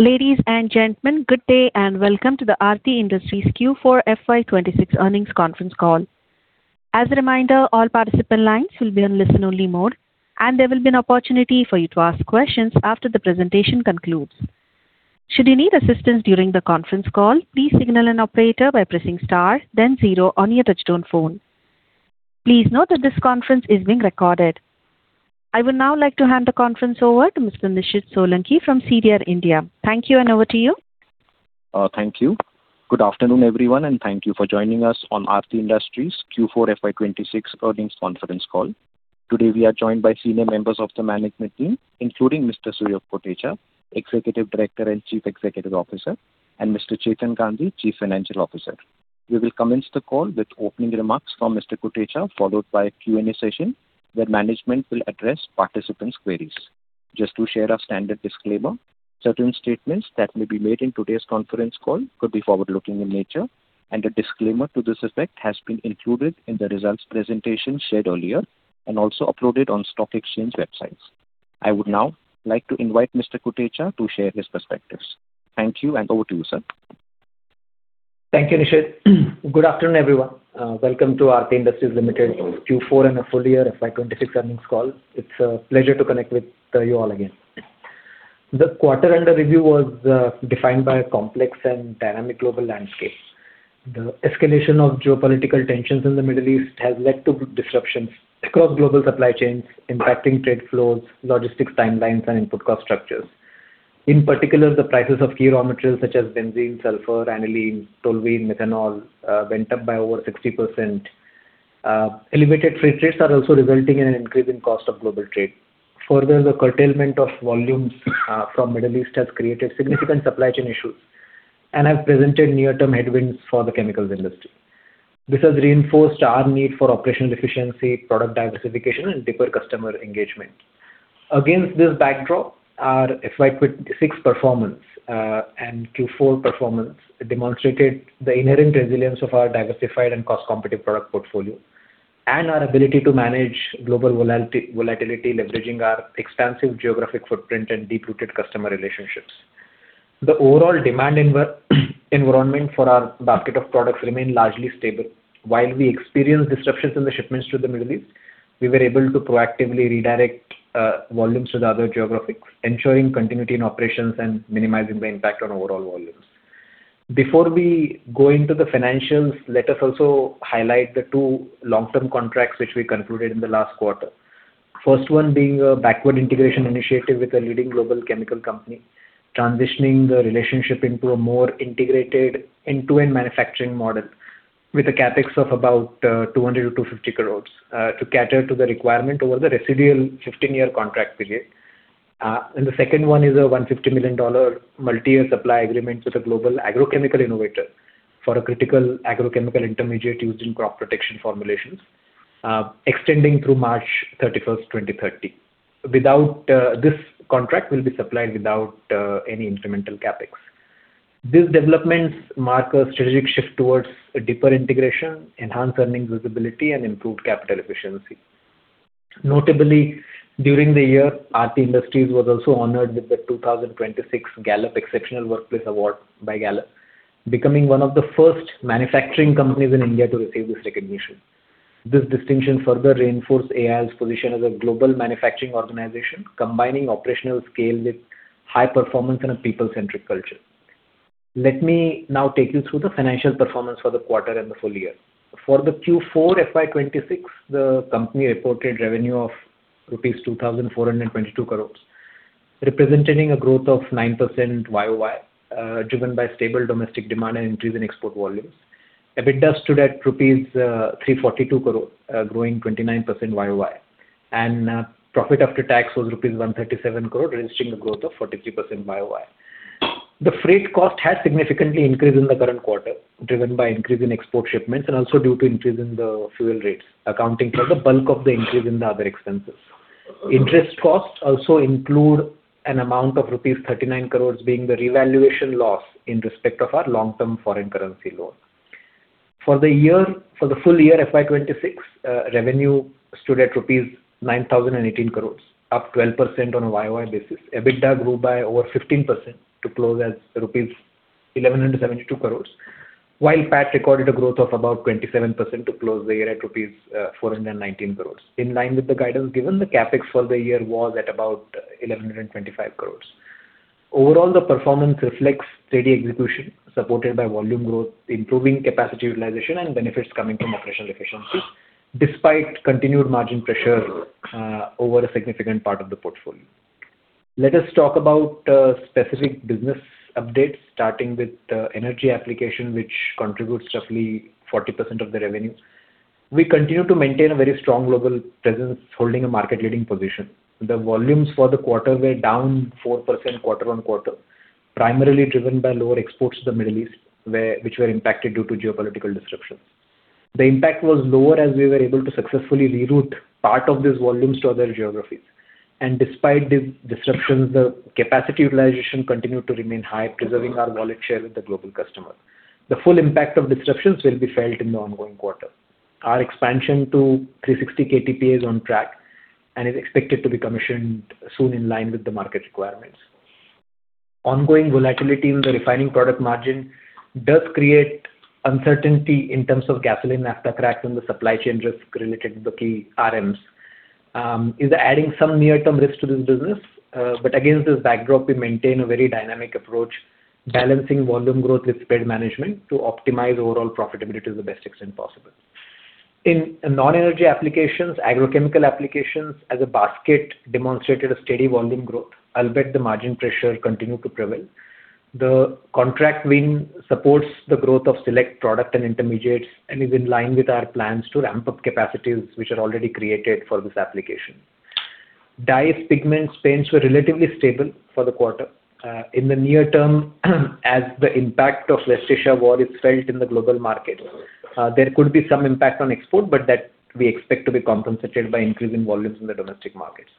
Ladies and gentlemen, good day and welcome to the Aarti Industries Q4 FY 2026 earnings conference call. As a reminder, all participant lines will be on listen-only mode, and there will be an opportunity for you to ask questions after the presentation concludes. Please note that this conference is being recorded. I would now like to hand the conference over to Mr. Nishid Solanki from CDR India. Thank you, and over to you. Thank you. Good afternoon, everyone, and thank you for joining us on Aarti Industries Q4 FY 2026 earnings conference call. Today, we are joined by senior members of the management team, including Mr. Suyog Kotecha, Executive Director and Chief Executive Officer, and Mr. Chetan Gandhi, Chief Financial Officer. We will commence the call with opening remarks from Mr. Kotecha, followed by a Q&A session where management will address participants' queries. Just to share our standard disclaimer, certain statements that may be made in today's conference call could be forward-looking in nature, and a disclaimer to this effect has been included in the results presentation shared earlier and also uploaded on stock exchange websites. I would now like to invite Mr. Kotecha to share his perspectives. Thank you. Over to you, sir. Thank you, Nishid. Good afternoon, everyone. Welcome to Aarti Industries Limited Q4 and a full year FY 2026 earnings call. It's a pleasure to connect with you all again. The quarter under review was defined by a complex and dynamic global landscape. The escalation of geopolitical tensions in the Middle East has led to disruptions across global supply chains, impacting trade flows, logistics timelines, and input cost structures. In particular, the prices of key raw materials such as benzene, sulfur, aniline, toluene, methanol, went up by over 60%. Elevated freight rates are also resulting in an increase in cost of global trade. Further, the curtailment of volumes from Middle East has created significant supply chain issues and have presented near-term headwinds for the chemicals industry. This has reinforced our need for operational efficiency, product diversification, and deeper customer engagement. Against this backdrop, our FY 2026 performance and Q4 performance demonstrated the inherent resilience of our diversified and cost-competitive product portfolio and our ability to manage global volatility, leveraging our expansive geographic footprint and deep-rooted customer relationships. The overall demand environment for our basket of products remain largely stable. While we experience disruptions in the shipments to the Middle East, we were able to proactively redirect volumes to the other geographies, ensuring continuity in operations and minimizing the impact on overall volumes. Before we go into the financials, let us also highlight the two long-term contracts which we concluded in the last quarter. First one being a backward integration initiative with a leading global chemical company, transitioning the relationship into a more integrated end-to-end manufacturing model with a CapEx of about 200 crores- 250 crores to cater to the requirement over the residual 15-year contract period. The second one is a $150 million multi-year supply agreement with a global agrochemical innovator for a critical agrochemical intermediate used in crop protection formulations, extending through March 31, 2030. This contract will be supplied without any instrumental CapEx. These developments mark a strategic shift towards a deeper integration, enhanced earnings visibility, and improved capital efficiency. Notably, during the year, Aarti Industries was also honored with the 2026 Gallup Exceptional Workplace Award by Gallup, becoming one of the first manufacturing companies in India to receive this recognition. This distinction further reinforced AIL's position as a global manufacturing organization, combining operational scale with high performance and a people-centric culture. Let me now take you through the financial performance for the quarter and the full year. For the Q4 FY 2026, the company reported revenue of rupees 2,422 crores, representing a growth of 9% YoY, driven by stable domestic demand and increase in export volumes. EBITDA stood at rupees 342 crore, growing 29% YoY. Profit after tax was rupees 137 crore, registering a growth of 43% YoY. The freight cost has significantly increased in the current quarter, driven by increase in export shipments and also due to increase in the fuel rates, accounting for the bulk of the increase in the other expenses. Interest costs also include an amount of rupees 39 crores, being the revaluation loss in respect of our long-term foreign currency loan. For the full year FY 2026, revenue stood at 9,018 crores rupees, up 12% on a YoY basis. EBITDA grew by over 15% to close at 1,172 crores rupees, while PAT recorded a growth of about 27% to close the year at 419 crores rupees. In line with the guidance given, the CapEx for the year was at about 1,125 crores. Overall, the performance reflects steady execution supported by volume growth, improving capacity utilization, and benefits coming from operational efficiency despite continued margin pressure over a significant part of the portfolio. Let us talk about specific business updates, starting with the energy application, which contributes roughly 40% of the revenue. We continue to maintain a very strong global presence, holding a market-leading position. The volumes for the quarter were down 4% quarter-on-quarter, primarily driven by lower exports to the Middle East, which were impacted due to geopolitical disruptions. The impact was lower as we were able to successfully reroute part of these volumes to other geographies. Despite the disruptions, the capacity utilization continued to remain high, preserving our wallet share with the global customer. The full impact of disruptions will be felt in the ongoing quarter. Our expansion to 360 KTPA is on track and is expected to be commissioned soon in line with the market requirements. Ongoing volatility in the refining product margin does create uncertainty in terms of gasoline, naphtha cracks and the supply chain risk related to the key RMs is adding some near-term risks to this business. Against this backdrop, we maintain a very dynamic approach, balancing volume growth with spread management to optimize overall profitability to the best extent possible. In non-energy applications, agrochemical applications as a basket demonstrated a steady volume growth, albeit the margin pressure continued to prevail. The contract win supports the growth of select product and intermediates and is in line with our plans to ramp up capacities which are already created for this application. Dyes, pigments, paints were relatively stable for the quarter. In the near term, as the impact of West Asia war is felt in the global market, there could be some impact on export, but that we expect to be compensated by increasing volumes in the domestic markets.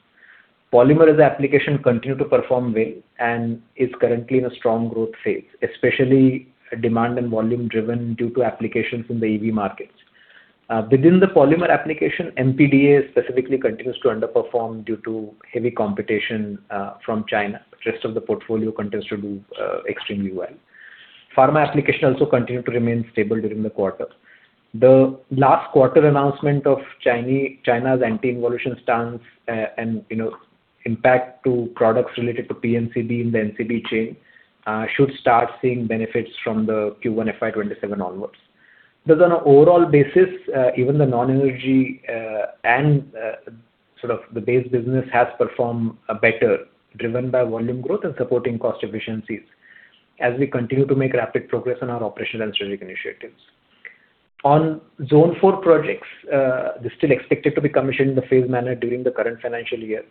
Polymer as application continue to perform well and is currently in a strong growth phase, especially demand and volume driven due to applications in the EV markets. Within the polymer application, MPDA specifically continues to underperform due to heavy competition from China. Rest of the portfolio continues to do extremely well. Pharma application also continued to remain stable during the quarter. The last quarter announcement of China's anti-involution stance, and, you know, impact to products related to PNCB in the NCB chain, should start seeing benefits from the Q1 FY 2027 onwards. Thus on a overall basis, even the non-energy and sort of the base business has performed better, driven by volume growth and supporting cost efficiencies as we continue to make rapid progress on our operational and strategic initiatives. On Zone IV projects, they're still expected to be commissioned in the phased manner during the current financial year.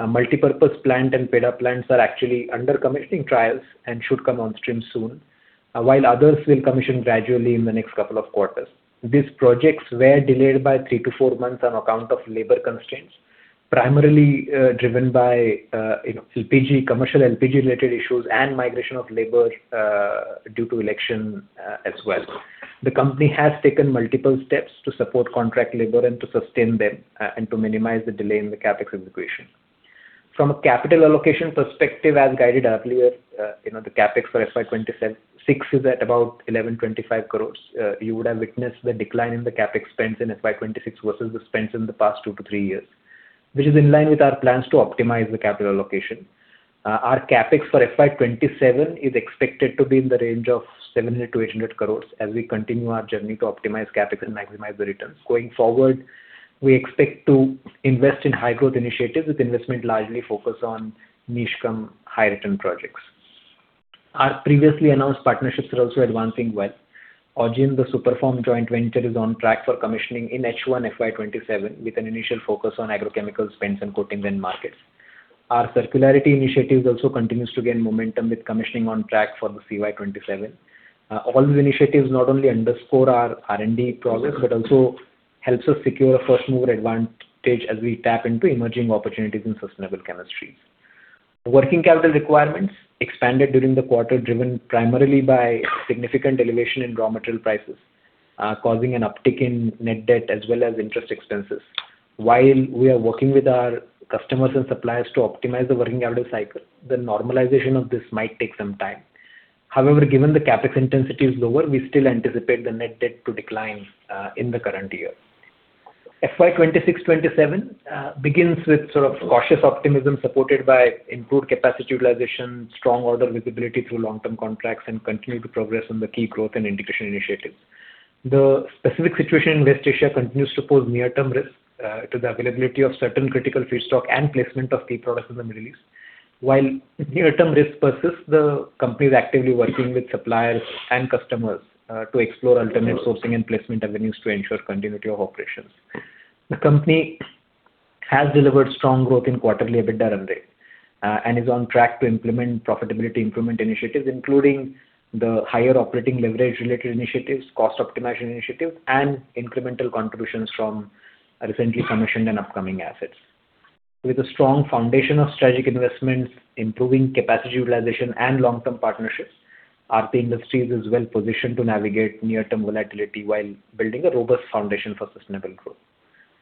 Our multipurpose plant and PDA plants are actually under commissioning trials and should come on stream soon, while others will commission gradually in the next couple of quarters. These projects were delayed by three to four months on account of labor constraints, primarily, driven by, you know, LPG, commercial LPG related issues and migration of labor due to election as well. The company has taken multiple steps to support contract labor and to sustain them, and to minimize the delay in the CapEx integration. From a capital allocation perspective, as guided earlier, the CapEx for FY 2026 is at about 1,125 crores. You would have witnessed the decline in the CapEx spends in FY 2026 versus the spends in the past two to three years, which is in line with our plans to optimize the capital allocation. Our CapEx for FY 2027 is expected to be in the range of 700 crores- 800 crores as we continue our journey to optimize CapEx and maximize the returns. Going forward, we expect to invest in high-growth initiatives with investment largely focused on niche cum high-return projects. Our previously announced partnerships are also advancing well. Augene, the superform joint venture, is on track for commissioning in first half FY 2027 with an initial focus on agrochemicals, paints and coatings end markets. Our circularity initiatives also continues to gain momentum with commissioning on track for the CY 2027. All these initiatives not only underscore our R&D progress, but also helps us secure a first-mover advantage as we tap into emerging opportunities in sustainable chemistries. Working capital requirements expanded during the quarter, driven primarily by significant elevation in raw material prices, causing an uptick in net debt as well as interest expenses. While we are working with our customers and suppliers to optimize the working capital cycle, the normalization of this might take some time. However, given the CapEx intensity is lower, we still anticipate the net debt to decline in the current year. FY 2026, 2027 begins with sort of cautious optimism supported by improved capacity utilization, strong order visibility through long-term contracts and continued progress on the key growth and integration initiatives. The specific situation in West Asia continues to pose near-term risk to the availability of certain critical feedstock and placement of key products in the Middle East. While near-term risk persists, the company is actively working with suppliers and customers to explore alternate sourcing and placement avenues to ensure continuity of operations. The company has delivered strong growth in quarterly EBITDA and ROE and is on track to implement profitability improvement initiatives, including the higher operating-leverage-related initiatives, cost optimization initiatives and incremental contributions from recently commissioned and upcoming assets. With a strong foundation of strategic investments, improving capacity utilization and long-term partnerships, Aarti Industries is well positioned to navigate near-term volatility while building a robust foundation for sustainable growth.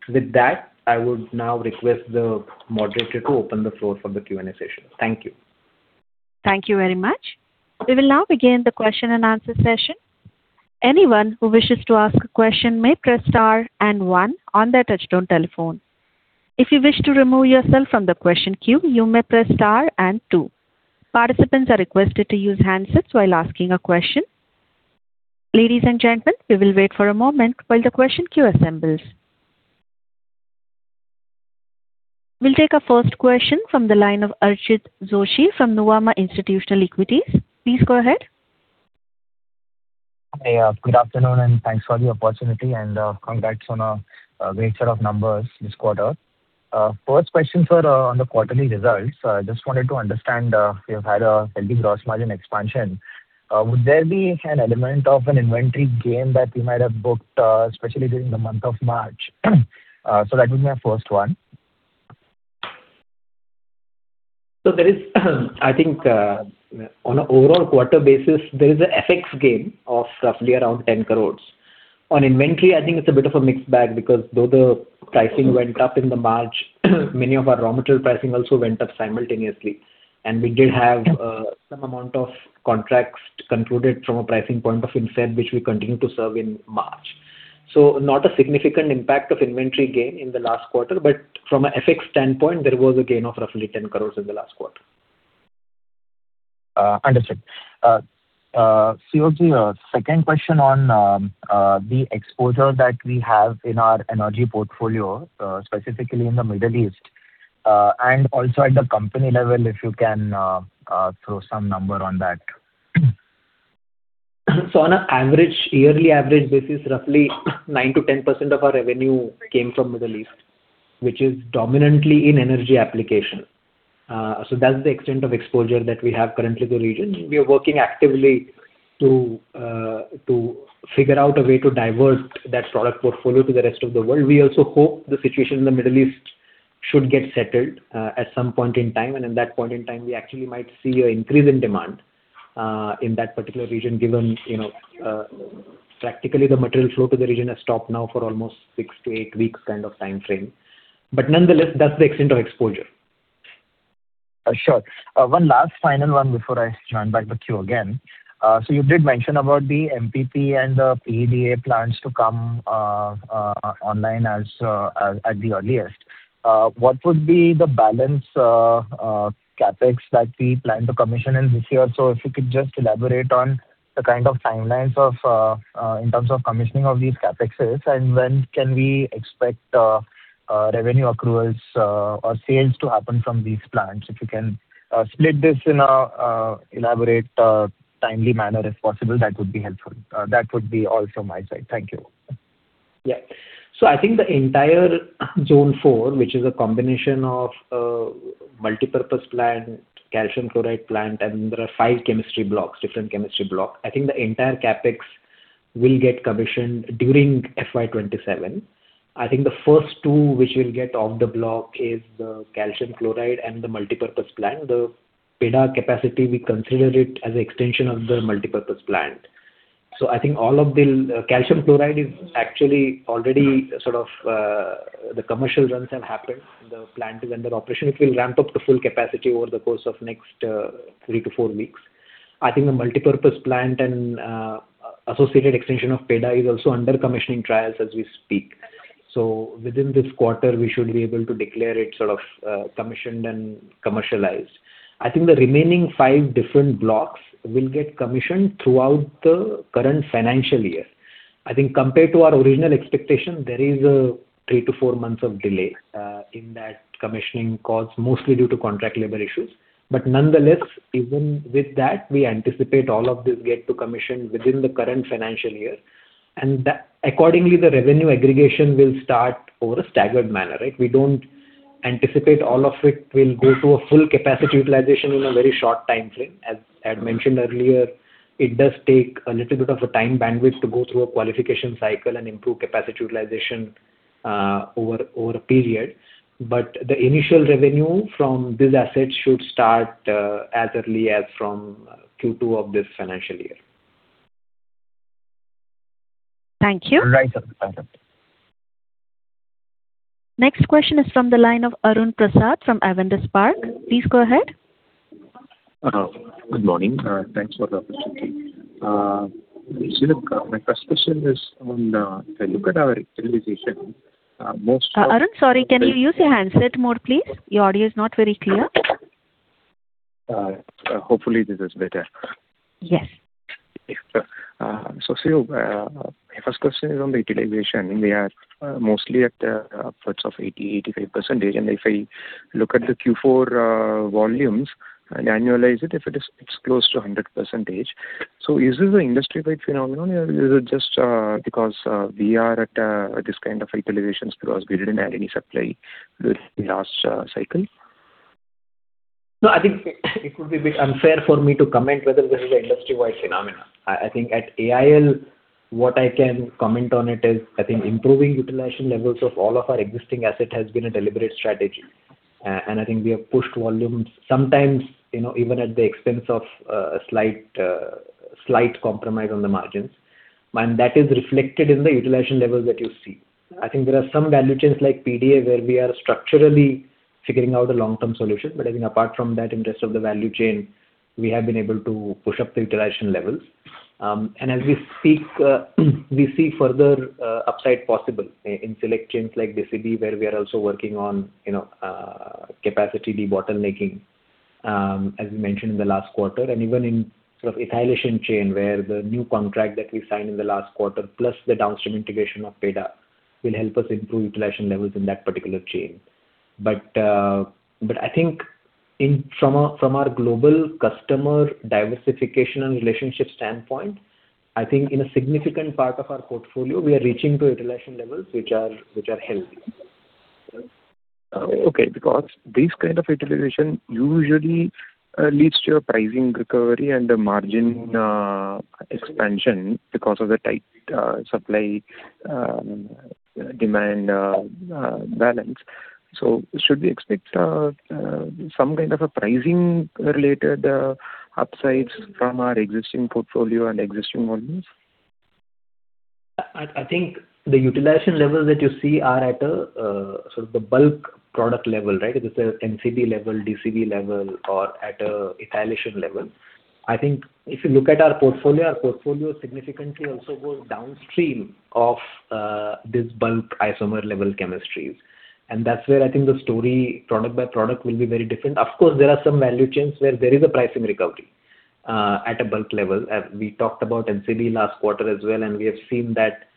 With that, I would now request the moderator to open the floor for the Q&A session. Thank you. Thank you very much. We will now begin the question and answer session. Anyone who wishes to ask a question may press star and one on their touchtone telephone. If you wish to remove yourself from the question queue, you may press star and two. Participants are requested to use handsets while asking a question. Ladies and gentlemen, we will wait for a moment while the question queue assembles. We will take our first question from the line of Archit Joshi from Nuvama Institutional Equities. Please go ahead. Hi. Good afternoon, and thanks for the opportunity. Congrats on a great set of numbers this quarter. First question, sir, on the quarterly results. Just wanted to understand, you've had a healthy gross margin expansion. Would there be an element of an inventory gain that you might have booked, especially during the month of March? That would be my first one. There is I think, on a overall quarter basis, there is a FX gain of roughly around 10 crores. On inventory, I think it's a bit of a mixed bag because though the pricing went up in the March, many of our raw material pricing also went up simultaneously. We did have some amount of contracts concluded from a pricing point of inset, which we continue to serve in March. Not a significant impact of inventory gain in the last quarter, but from a FX standpoint, there was a gain of roughly 10 crores in the last quarter. Understood. Suyog Kotecha, second question on the exposure that we have in our energy portfolio, specifically in the Middle East, and also at the company level, if you can throw some number on that. On average, yearly average basis, roughly 9%-10% of our revenue came from Middle East, which is dominantly in energy application. That's the extent of exposure that we have currently to the region. We are working actively to figure out a way to divert that product portfolio to the rest of the world. We also hope the situation in the Middle East should get settled at some point in time, and in that point in time, we actually might see an increase in demand in that particular region, given, you know, practically the material flow to the region has stopped now for almost six to eight weeks kind of time frame. Nonetheless, that's the extent of exposure. Sure. One last final one before I hand back the queue again. You did mention about the MPP and the p-Phenylenediamine plans to come online at the earliest. What would be the balance CapEx that we plan to commission in this year? If you could just elaborate on the kind of timelines in terms of commissioning of these CapExes, and when can we expect revenue accruals or sales to happen from these plants? If you can split this in a elaborate, timely manner if possible, that would be helpful. That would be all from my side. Thank you. Yeah. I think the entire Zone IV, which is a combination of multipurpose plant, calcium chloride plant, and there are five chemistry blocks. I think the entire CapEx will get commissioned during FY 2027. I think the first two which we'll get off the block is the calcium chloride and the multipurpose plant. The p-Phenylenediamine capacity, we consider it as an extension of the multipurpose plant. I think all of the calcium chloride is actually already sort of the commercial runs have happened. The plant is under operation. It will ramp up to full capacity over the course of next three to four weeks. I think the multipurpose plant and associated extension of p-Phenylenediamine is also under commissioning trials as we speak. Within this quarter, we should be able to declare it sort of commissioned and commercialized. I think the remaining five different blocks will get commissioned throughout the current financial year. I think compared to our original expectation, there is a three to four months of delay in that commissioning cost, mostly due to contract labor issues. Nonetheless, even with that, we anticipate all of this get to commission within the current financial year. Accordingly, the revenue aggregation will start over a staggered manner, right? We don't anticipate all of it will go to a full capacity utilization in a very short timeframe. As I had mentioned earlier, it does take a little bit of a time bandwidth to go through a qualification cycle and improve capacity utilization over a period. The initial revenue from this asset should start as early as from Q2 of this financial year. Thank you. Right. Next question is from the line of Arun Prasad from Avendus Spark. Please go ahead. Good morning. Thanks for the opportunity. Sir, my first question is on, if I look at our utilization, most- Arun, sorry, can you use your handset mode, please? Your audio is not very clear. Hopefully this is better. Yes. So Sir, my first question is on the utilization. We are mostly at upwards of 80%, 85%. If I look at the Q4 volumes and annualize it's close to 100%. Is this an industry-wide phenomenon or is it just because we are at this kind of utilizations because we didn't add any supply with the last cycle? I think it would be a bit unfair for me to comment whether this is an industry-wide phenomenon. I think at AIL, what I can comment on it is, I think improving utilization levels of all of our existing asset has been a deliberate strategy. I think we have pushed volumes sometimes, you know, even at the expense of a slight compromise on the margins. That is reflected in the utilization levels that you see. I think there are some value chains like p-Phenylenediamine, where we are structurally figuring out a long-term solution. I think apart from that, in rest of the value chain, we have been able to push up the utilization levels. As we speak, we see further upside possible in select chains like DCB, where we are also working on capacity de-bottlenecking, as we mentioned in the last quarter. Even in sort of ethylation chain, where the new contract that we signed in the last quarter plus the downstream integration of p-Phenylenediamine will help us improve utilization levels in that particular chain. I think from our global customer diversification and relationship standpoint, I think in a significant part of our portfolio, we are reaching to utilization levels which are healthy. Okay. Because these kind of utilization usually leads to a pricing recovery and a margin expansion because of the tight supply demand balance. Should we expect some kind of a pricing related upsides from our existing portfolio and existing volumes? I think the utilization levels that you see are at a sort of the bulk product level, right? It is a MCB level, DCB level, or at a utilization level. I think if you look at our portfolio, our portfolio significantly also goes downstream of this bulk isomer level chemistries. That's where I think the story product by product will be very different. Of course, there are some value chains where there is a pricing recovery at a bulk level, as we talked about MCB last quarter as well, and we have seen that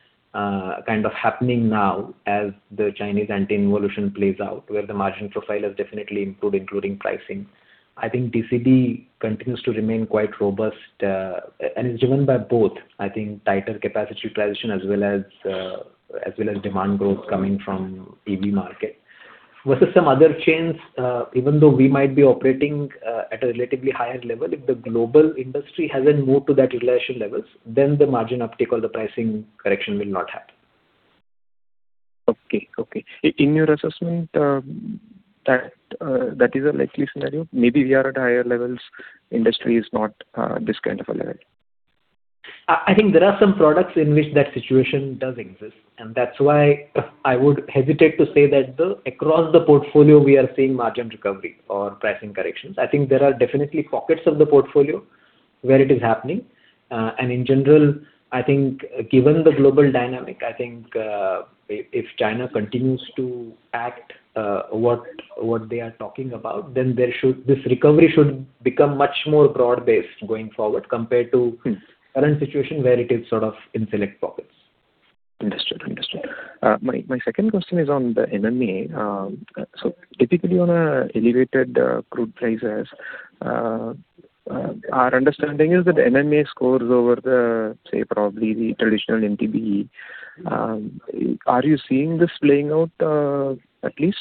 kind of happening now as the Chinese anti-involution plays out, where the margin profile has definitely improved, including pricing. I think DCB continues to remain quite robust, and is driven by both, I think tighter capacity transition as well as demand growth coming from EV market. Versus some other chains, even though we might be operating at a relatively higher level, if the global industry hasn't moved to that utilization levels, then the margin uptick or the pricing correction will not happen. Okay. Okay. In your assessment, that is a likely scenario? Maybe we are at higher levels, industry is not this kind of a level. I think there are some products in which that situation does exist, and that's why I would hesitate to say that across the portfolio we are seeing margin recovery or pricing corrections. I think there are definitely pockets of the portfolio where it is happening. In general, I think given the global dynamic, I think if China continues to act what they are talking about, then this recovery should become much more broad-based going forward compared to- Mm-hmm. Current situation where it is sort of in select pockets. Understood. Understood. My second question is on the MMA. So typically on a elevated crude prices, our understanding is that MMA scores over the, say, probably the traditional MTBE. Are you seeing this playing out at least?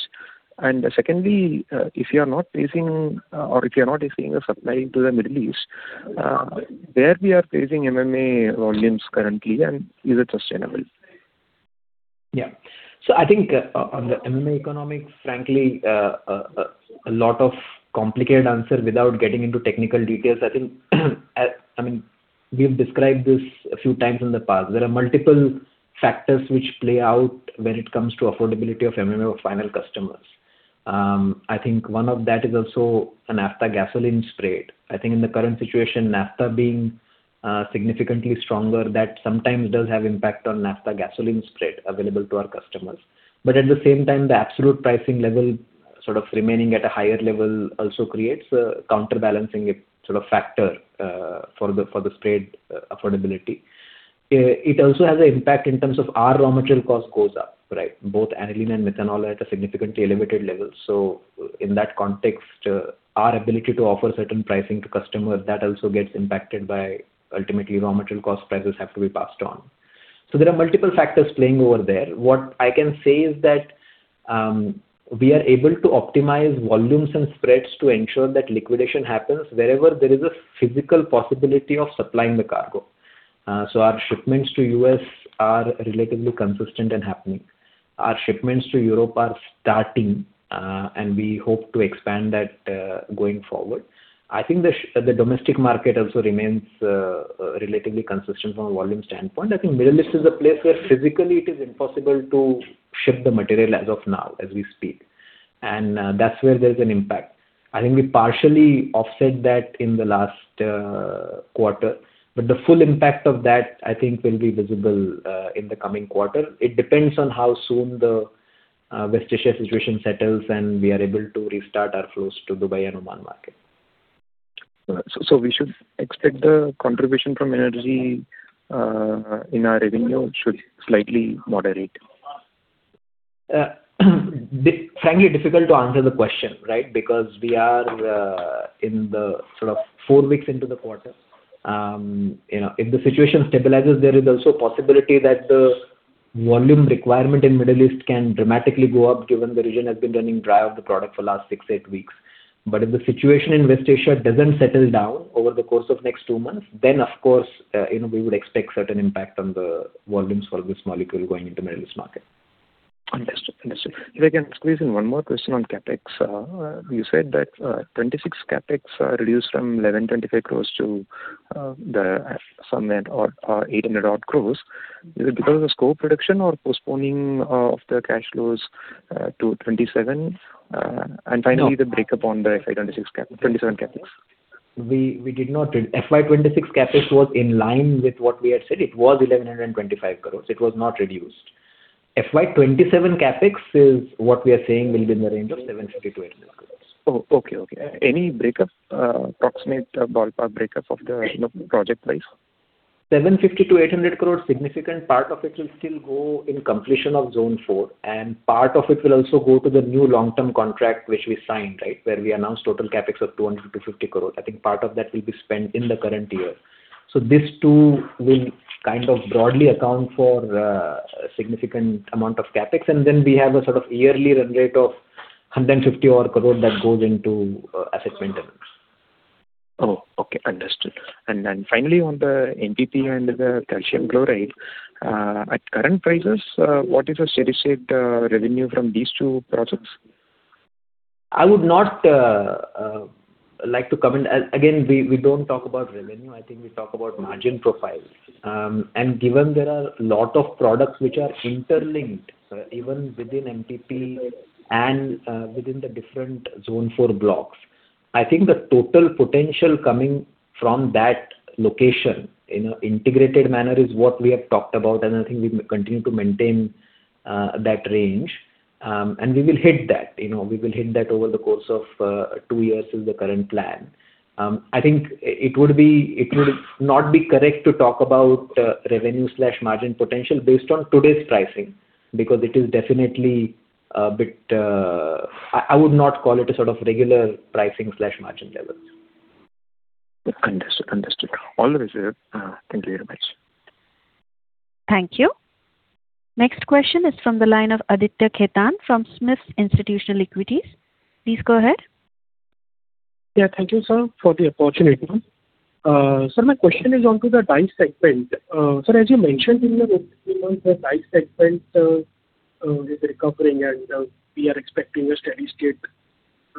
Secondly, if you are not facing a supply into the Middle East, where we are facing MMA volumes currently, and is it sustainable? I think on the MMA economics, frankly, a lot of complicated answer without getting into technical details. I think, I mean, we've described this a few times in the past. There are multiple factors which play out when it comes to affordability of MMA with final customers. I think one of that is also a naphtha gasoline spread. I think in the current situation, naphtha being significantly stronger, that sometimes does have impact on naphtha gasoline spread available to our customers. At the same time, the absolute pricing level sort of remaining at a higher level also creates a counterbalancing sort of factor for the spread affordability. It also has an impact in terms of our raw material cost goes up, right? Both aniline and methanol are at a significantly elevated level. In that context, our ability to offer certain pricing to customers, that also gets impacted by ultimately raw material cost prices have to be passed on. There are multiple factors playing over there. What I can say is that, we are able to optimize volumes and spreads to ensure that liquidation happens wherever there is a physical possibility of supplying the cargo. Our shipments to U.S. are relatively consistent and happening. Our shipments to Europe are starting, and we hope to expand that going forward. I think the domestic market also remains relatively consistent from a volume standpoint. I think Middle East is a place where physically it is impossible to ship the material as of now, as we speak, and that's where there's an impact. I think we partially offset that in the last quarter, but the full impact of that, I think, will be visible in the coming quarter. It depends on how soon the West Asia situation settles, and we are able to restart our flows to Dubai and Oman market. We should expect the contribution from energy in our revenue should slightly moderate? Frankly, difficult to answer the question, right? Because we are, in the sort of four weeks into the quarter. You know, if the situation stabilizes, there is also possibility that the volume requirement in Middle East can dramatically go up given the region has been running dry of the product for last six, eight weeks. If the situation in West Asia doesn't settle down over the course of next two months, then of course, you know, we would expect certain impact on the volumes for this molecule going into Middle East market. Understood. Understood. If I can squeeze in one more question on CapEx. You said that 2026 CapEx are reduced from 1,125 crores to the somewhere or 800 odd crores. Is it because of scope reduction or postponing of the cash flows to 2027? No. the breakup on the FY 2026-2027 CapEx. We did not. FY 2026 CapEx was in line with what we had said. It was 1,125 crores. It was not reduced. FY 2027 CapEx is what we are saying will be in the range of 750 crores-800 crores. Oh, okay. Any breakup, approximate ballpark breakup of the, you know, project price? 750 crore-800 crore, significant part of it will still go in completion of Zone IV, and part of it will also go to the new long-term contract which we signed, right? Where we announced total CapEx of 200 crore-250 crore. I think part of that will be spent in the current year. These two will kind of broadly account for a significant amount of CapEx, and then we have a sort of yearly run rate of 150 odd crore that goes into asset maintenance. Oh, okay. Understood. Then finally, on the NTP and the calcium chloride, at current prices, what is the steady state revenue from these two products? I would not like to comment. Again, we don't talk about revenue. I think we talk about margin profiles. Given there are lot of products which are interlinked, even within NTP and within the different Zone IV blocks, I think the total potential coming from that location in an integrated manner is what we have talked about, and I think we continue to maintain that range. We will hit that. You know, we will hit that over the course of two years is the current plan. I think it would not be correct to talk about revenue/margin potential based on today's pricing because it is definitely a bit, I would not call it a sort of regular pricing/margin level. Understood. Understood. All right, sir. Thank you very much. Thank you. Next question is from the line of Aditya Khetan from SMIFS Institutional Equities. Please go ahead. Thank you, sir, for the opportunity. sir, my question is on to the dye segment. sir, as you mentioned in your opening notes, the dye segment is recovering and we are expecting a steady state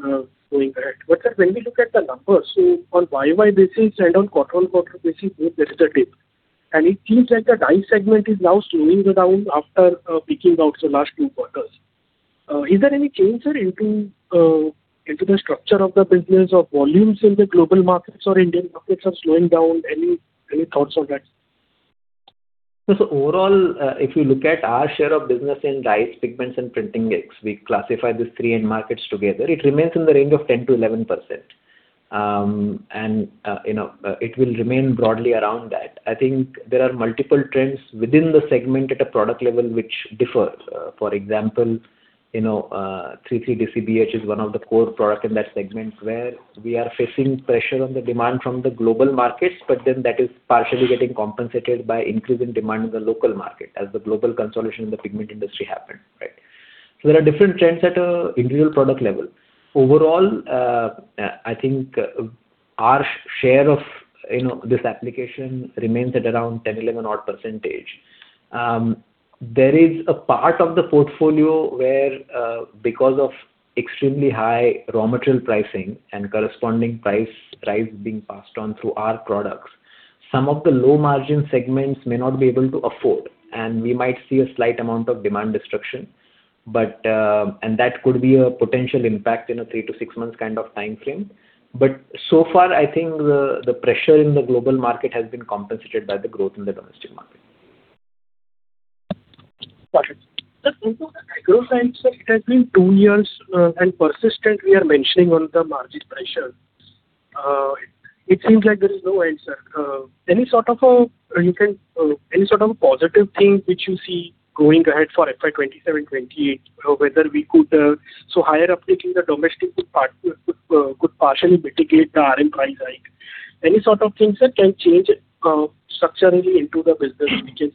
going ahead. sir, when we look at the numbers, on YoY basis and on quarter-on-quarter basis both there is a dip, and it seems like the dye segment is now slowing down after peaking out the last two quarters. Is there any change, sir, into the structure of the business or volumes in the global markets or Indian markets are slowing down? Any thoughts on that? Overall, if you look at our share of business in dyes, pigments and printing inks, we classify these three end markets together, it remains in the range of 10%-11%. You know, it will remain broadly around that. I think there are multiple trends within the segment at a product level which differ. For example, you know, 3,3'-Dichlorobenzidine is one of the core product in that segment where we are facing pressure on the demand from the global markets, that is partially getting compensated by increase in demand in the local market as the global consolidation in the pigment industry happened, right? There are different trends at a individual product level. Overall, I think, our share of, you know, this application remains at around 10%, 11%. There is a part of the portfolio where, because of extremely high raw material pricing and corresponding price being passed on through our products, some of the low margin segments may not be able to afford, and we might see a slight amount of demand destruction. That could be a potential impact in a three to six months kind of timeframe. So far, I think the pressure in the global market has been compensated by the growth in the domestic market. Got it. Sir, on to the agro side, sir, it has been two years, persistently we are mentioning on the margin pressure. It seems like there is no answer. Any sort of positive thing which you see going ahead for FY 2027, 2028, whether we could so higher uptake in the domestic could partially mitigate the RM price hike. Any sort of things that can change structurally into the business, which is?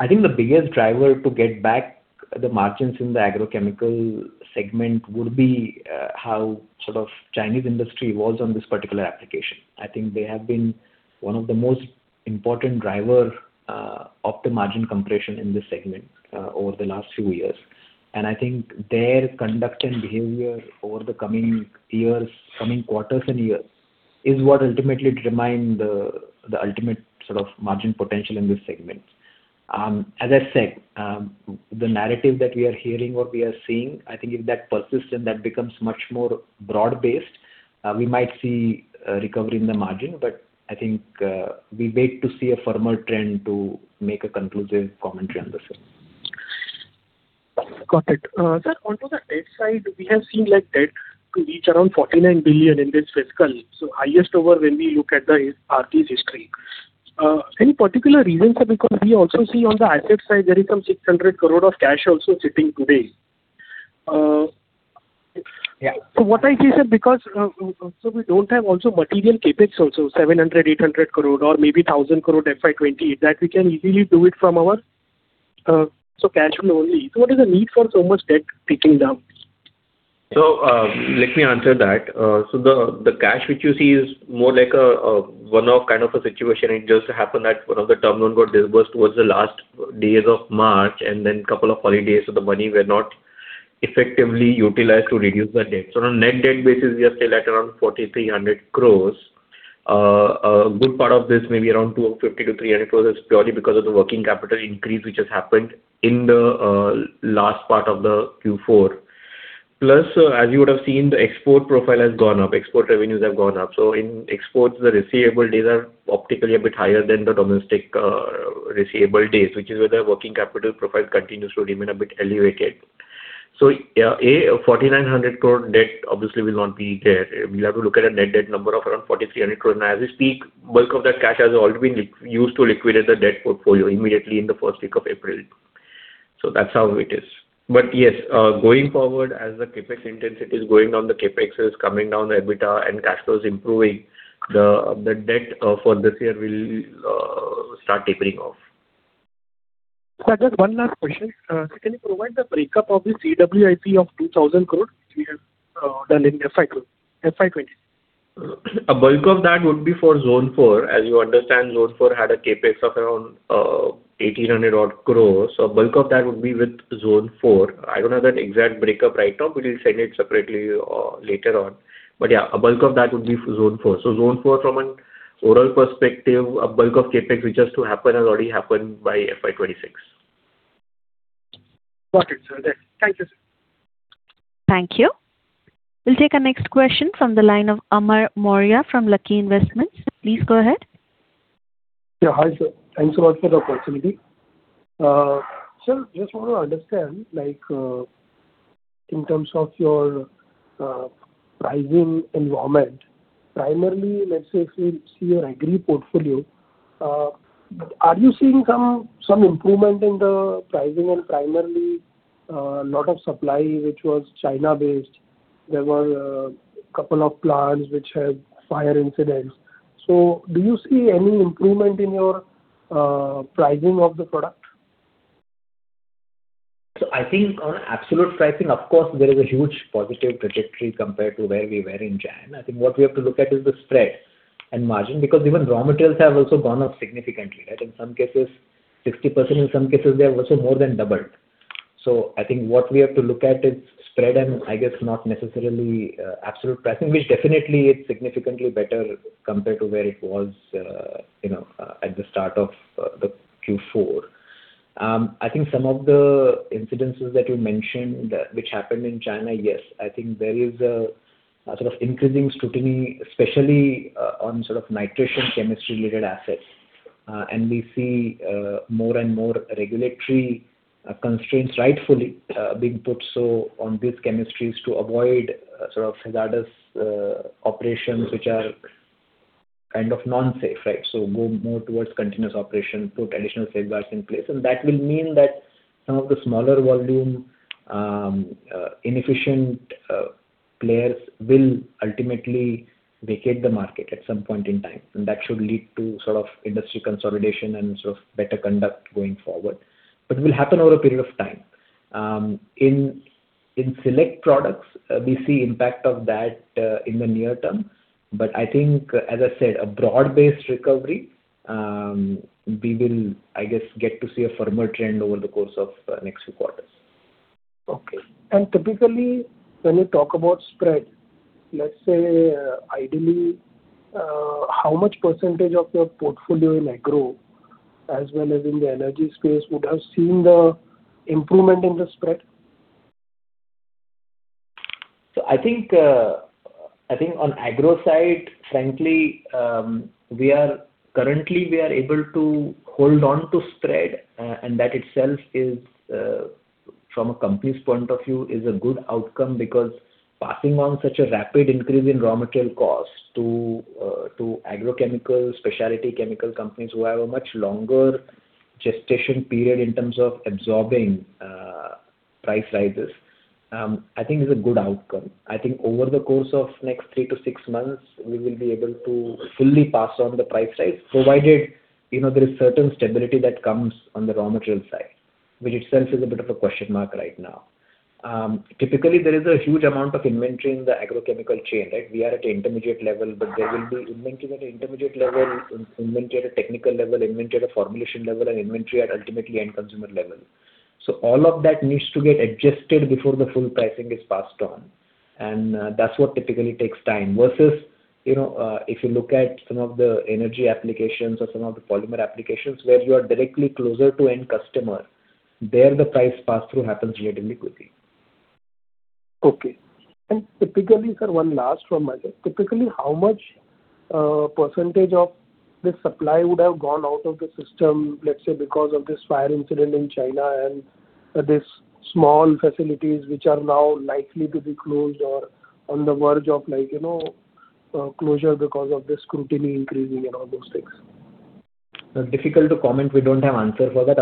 I think the biggest driver to get back the margins in the agrochemical segment would be how sort of Chinese industry evolves on this particular application. I think they have been one of the most important driver of the margin compression in this segment over the last few years. I think their conduct and behavior over the coming years, coming quarters and years is what ultimately determine the ultimate sort of margin potential in this segment. As I said, the narrative that we are hearing, what we are seeing, I think if that persists and that becomes much more broad based, we might see a recovery in the margin. I think we wait to see a firmer trend to make a conclusive commentary on the same. Got it. sir, onto the debt side, we have seen like debt reach around 49 billion in this fiscal, highest ever when we look at Aarti's history. Any particular reason, sir? We also see on the asset side there is some 600 crore of cash also sitting today. Yeah. What I see, sir, because, so we don't have also material CapEx also 700 crore-800 crore or maybe 1,000 crore FY 2028 that we can easily do it from our, so cash flow only. What is the need for so much debt picking up? Let me answer that. The cash which you see is more like a one-off kind of a situation. It just happened that one of the term loan got disbursed towards the last days of March and then couple of holidays, so the money were not effectively utilized to reduce the debt. On a net debt basis, we are still at around 4,300 crores. A good part of this may be around 250 crores-300 crores is purely because of the working capital increase which has happened in the last part of the Q4. Plus, as you would have seen, the export profile has gone up, export revenues have gone up. In exports, the receivable days are optically a bit higher than the domestic receivable days, which is where the working capital profile continues to remain a bit elevated. A 4,900 crore debt obviously will not be there. We'll have to look at a net debt number of around 4,300 crores. As we speak, bulk of that cash has already been used to liquidate the debt portfolio immediately in the first week of April. That's how it is. Yes, going forward, as the CapEx intensity is going down, the CapEx is coming down, the EBITDA and cash flows improving, the debt for this year will start tapering off. Sir, just one last question. Can you provide the breakup of the CWIP of 2,000 crores you have done in FY 2026? A bulk of that would be for Zone IV. As you understand, Zone IV had a CapEx of around 1,800 odd crores. A bulk of that would be with Zone IV. I don't have that exact breakup right now, but we'll send it separately later on. Yeah, a bulk of that would be for Zone IV. Zone IV from an overall perspective, a bulk of CapEx which has to happen has already happened by FY 2026. Got it, sir. Thank you, sir. Thank you. We'll take our next question from the line of Amar Maurya from Laxmi Investments. Please go ahead. Yeah, hi sir. Thanks a lot for the opportunity. Sir, just want to understand, like, in terms of your pricing environment, primarily, let's say if we see your agri portfolio, are you seeing some improvement in the pricing and primarily, lot of supply which was China-based? There were a couple of plants which had fire incidents. Do you see any improvement in your pricing of the product? I think on absolute pricing, of course, there is a huge positive trajectory compared to where we were in China. I think what we have to look at is the spread and margin, because even raw materials have also gone up significantly, right? In some cases 60%. In some cases they have also more than doubled. I think what we have to look at is spread and I guess not necessarily, absolute pricing, which definitely is significantly better compared to where it was, you know, at the start of the Q4. I think some of the incidences that you mentioned which happened in China, yes. I think there is a sort of increasing scrutiny, especially on sort of nitration chemistry related assets. We see more and more regulatory constraints rightfully being put so on these chemistries to avoid sort of hazardous operations which are kind of non-safe, right. Go more towards continuous operation, put additional safeguards in place, and that will mean that some of the smaller volume, inefficient players will ultimately vacate the market at some point in time. That should lead to sort of industry consolidation and sort of better conduct going forward. It will happen over a period of time. In select products, we see impact of that in the near term. I think, as I said, a broad-based recovery, we will, I guess, get to see a firmer trend over the course of next few quarters. Okay. Typically when you talk about spread, let's say, ideally, how much % of your portfolio in agro as well as in the energy space would have seen the improvement in the spread? I think on agro side, frankly, currently we are able to hold on to spread, and that itself is from a company's point of view, is a good outcome because passing on such a rapid increase in raw material costs to agrochemicals, specialty chemical companies who have a much longer gestation period in terms of absorbing price rises, I think is a good outcome. I think over the course of next three to six months, we will be able to fully pass on the price rise, provided, you know, there is certain stability that comes on the raw material side, which itself is a bit of a question mark right now. Typically there is a huge amount of inventory in the agrochemical chain, right? We are at intermediate level, but there will be inventory at an intermediate level, in-inventory at a technical level, inventory at a formulation level, and inventory at ultimately end consumer level. All of that needs to get adjusted before the full pricing is passed on. That's what typically takes time versus, you know, if you look at some of the energy applications or some of the polymer applications where you are directly closer to end customer, there the price pass-through happens relatively quickly. Okay. Typically, sir, one last from my end. Typically, how much percentage of the supply would have gone out of the system, let's say, because of this fire incident in China and these small facilities which are now likely to be closed or on the verge of like, you know, closure because of the scrutiny increasing and all those things? Difficult to comment. We don't have answer for that.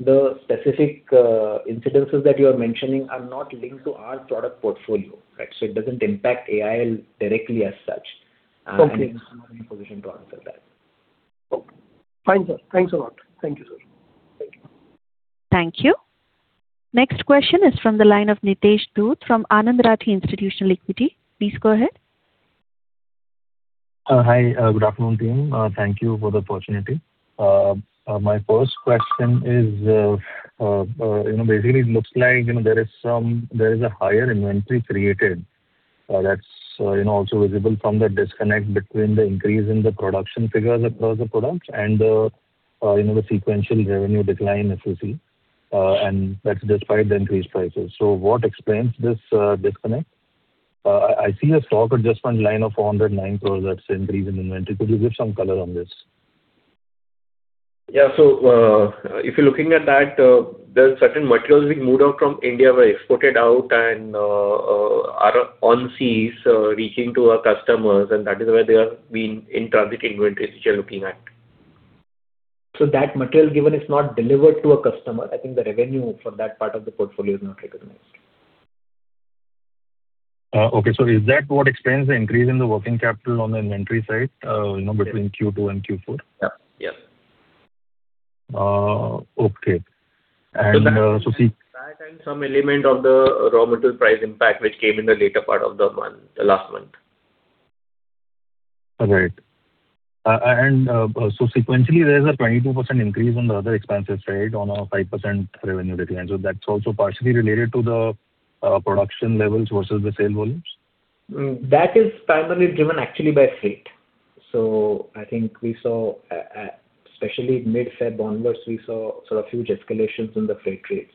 The specific incidences that you are mentioning are not linked to our product portfolio, right? It doesn't impact AIL directly as such. Okay. I'm not in a position to answer that. Okay. Fine, sir. Thanks a lot. Thank you, sir. Thank you. Thank you. Next question is from the line of Nitesh Dhoot from Anand Rathi Institutional Equities. Please go ahead. Hi. Good afternoon, team. Thank you for the opportunity. My first question is, you know, basically it looks like, you know, there is a higher inventory created, that's, you know, also visible from the disconnect between the increase in the production figures across the products and the, you know, the sequential revenue decline that you see. That's despite the increased prices. What explains this disconnect? I see a stock adjustment line of 409 crores that's increase in inventory. Could you give some color on this? Yeah. If you're looking at that, there are certain materials being moved out from India were exported out and are on seas, reaching to our customers, and that is where they are being in-transit inventories which you're looking at. That material given is not delivered to a customer. I think the revenue for that part of the portfolio is not recognized. Okay. Is that what explains the increase in the working capital on the inventory side, you know, between Q2 and Q4? Yeah. Okay. That some element of the raw material price impact which came in the later part of the month, the last month. All right. Sequentially there's a 22% increase on the other expenses side on a 5% revenue decline. That's also partially related to the production levels versus the sale volumes? That is primarily driven actually by freight. I think we saw, especially mid-February onwards, we saw sort of huge escalations in the freight rates.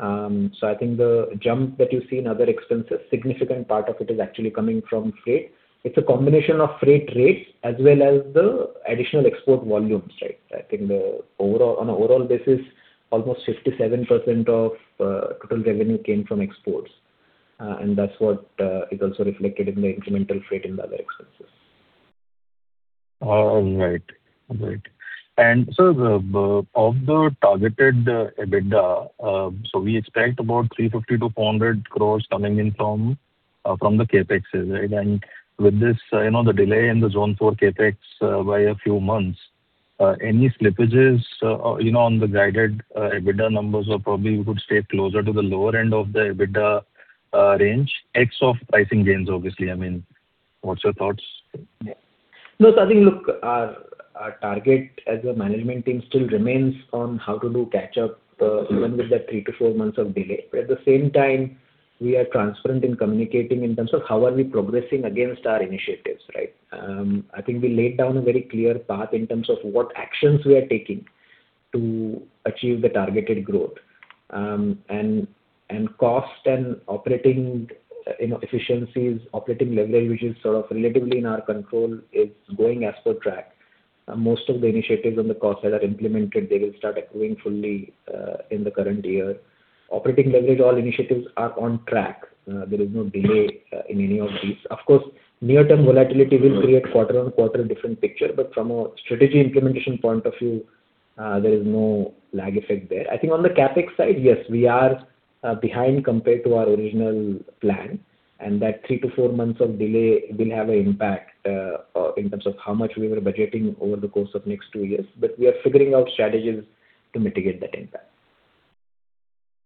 I think the jump that you see in other expenses, significant part of it is actually coming from freight. It's a combination of freight rates as well as the additional export volumes, right? I think on an overall basis, almost 57% of total revenue came from exports. That's what is also reflected in the incremental freight in the other expenses. All right. All right. Of the targeted EBITDA, we expect about 350 crores-400 crores coming in from the CapExes, right? With this, you know, the delay in the Zone IV CapEx by a few months, any slippages, you know, on the guided EBITDA numbers or probably you could stay closer to the lower end of the EBITDA range, ex of pricing gains, obviously. I mean, what's your thoughts? I think, look, our target as a management team still remains on how to do catch up, even with that three to four months of delay. At the same time, we are transparent in communicating in terms of how are we progressing against our initiatives, right? I think we laid down a very clear path in terms of what actions we are taking to achieve the targeted growth. Cost and operating, you know, efficiencies, operating leverage, which is sort of relatively in our control, is going as per track. Most of the initiatives on the cost side are implemented. They will start accruing fully in the current year. Operating leverage, all initiatives are on track. There is no delay in any of these. Of course, near-term volatility will create quarter-on-quarter different picture, but from a strategy implementation point of view, there is no lag effect there. I think on the CapEx side, yes, we are behind compared to our original plan, and that three to four months of delay will have a impact in terms of how much we were budgeting over the course of next two years. We are figuring out strategies to mitigate that impact.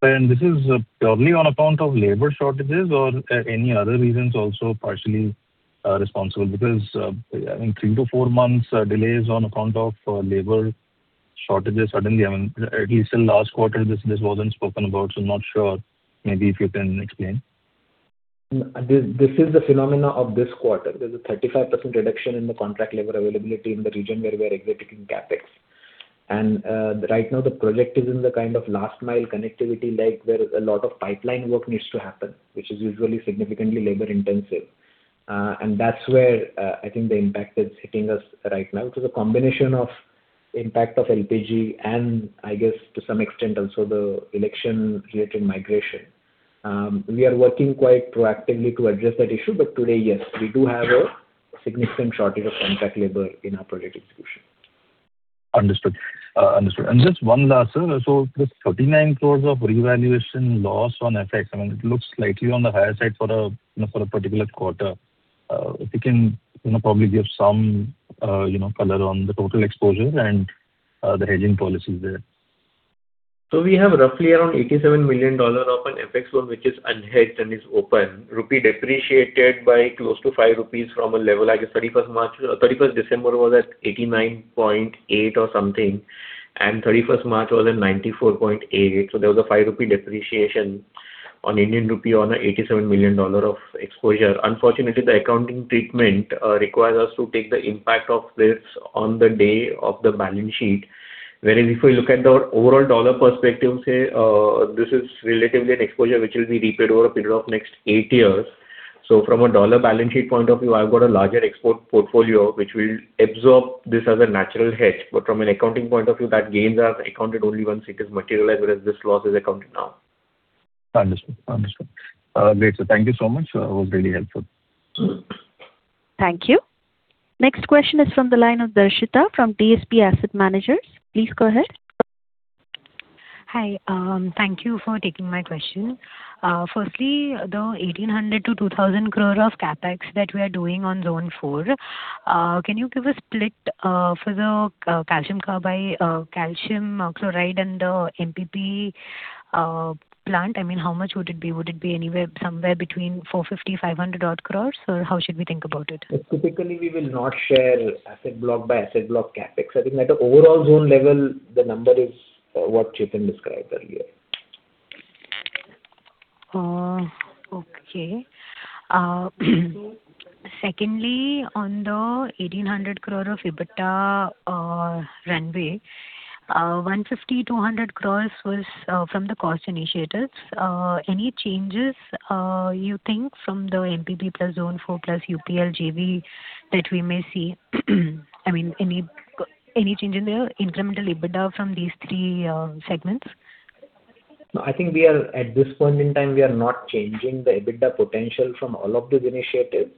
This is probably on account of labor shortages or any other reasons also partially responsible because, I mean, three to four months delays on account of labor shortages suddenly. I mean, at least in last quarter this wasn't spoken about, not sure. Maybe if you can explain. This is the phenomena of this quarter. There's a 35% reduction in the contract labor availability in the region where we are executing CapEx. Right now the project is in the kind of last mile connectivity leg, where a lot of pipeline work needs to happen, which is usually significantly labor-intensive. That's where I think the impact is hitting us right now. The combination of impact of LPG and I guess to some extent also the election-related migration. We are working quite proactively to address that issue. Today, yes, we do have a significant shortage of contract labor in our project execution. Understood. Understood. Just one last, sir. This 39 crores of revaluation loss on FX, I mean, it looks slightly on the higher side for a, you know, for a particular quarter. If you can, you know, probably give some, you know, color on the total exposure and the hedging policies there. We have roughly around $87 million of an FX loan which is unhedged and is open. Rupee depreciated by close to 5 rupees from a level, I guess, December 31 was at 89.8 or something, and March 31 was at 94.8. There was a 5 rupee depreciation on Indian rupee on a $87 million of exposure. Unfortunately, the accounting treatment requires us to take the impact of this on the day of the balance sheet. Whereas if you look at our overall dollar perspective, say, this is relatively an exposure which will be repaid over a period of next eight years. From a dollar balance sheet point of view, I've got a larger export portfolio which will absorb this as a natural hedge. From an accounting point of view, that gains are accounted only once it is materialized, whereas this loss is accounted now. Understood. Understood. Great. Thank you so much. Really helpful. Thank you. Next question is from the line of Darshita from DSP Asset Managers. Please go ahead. Hi. Thank you for taking my question. Firstly, the 1,800 crore-2,000 crore of CapEx that we are doing on Zone IV, can you give a split for the calcium carbide, Calcium chloride and the MPP plant? I mean, how much would it be? Would it be anywhere, somewhere between 450-500 odd crore, or how should we think about it? Typically, we will not share asset block by asset block CapEx. I think at an overall zone level, the number is, what Chetan described earlier. Oh, okay. Secondly, on the 1,800 crore of EBITDA, runway, 150 crore-200 crore was from the cost initiatives. Any changes, you think from the MPP plus Zone IV plus UPL JV that we may see? I mean, any change in the incremental EBITDA from these three segments? No, I think at this point in time, we are not changing the EBITDA potential from all of these initiatives.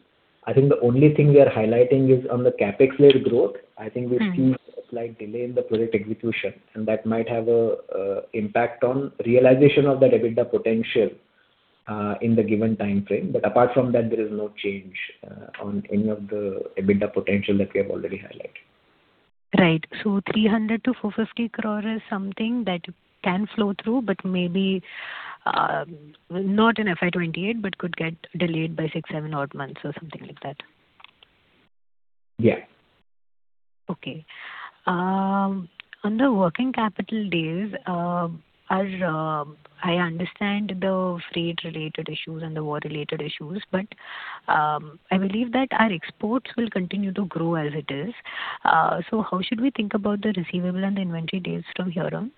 I think the only thing we are highlighting is on the CapEx-led growth. Mm-hmm. I think we see a slight delay in the project execution, that might have a impact on realization of that EBITDA potential in the given timeframe. Apart from that, there is no change on any of the EBITDA potential that we have already highlighted. Right. 300 crore-450 crore is something that can flow through, but maybe, not in FY 2028, but could get delayed by six, seven odd months or something like that. Yeah. Okay. On the working capital days, as I understand the freight-related issues and the war-related issues, I believe that our exports will continue to grow as it is. How should we think about the receivable and inventory days from here on?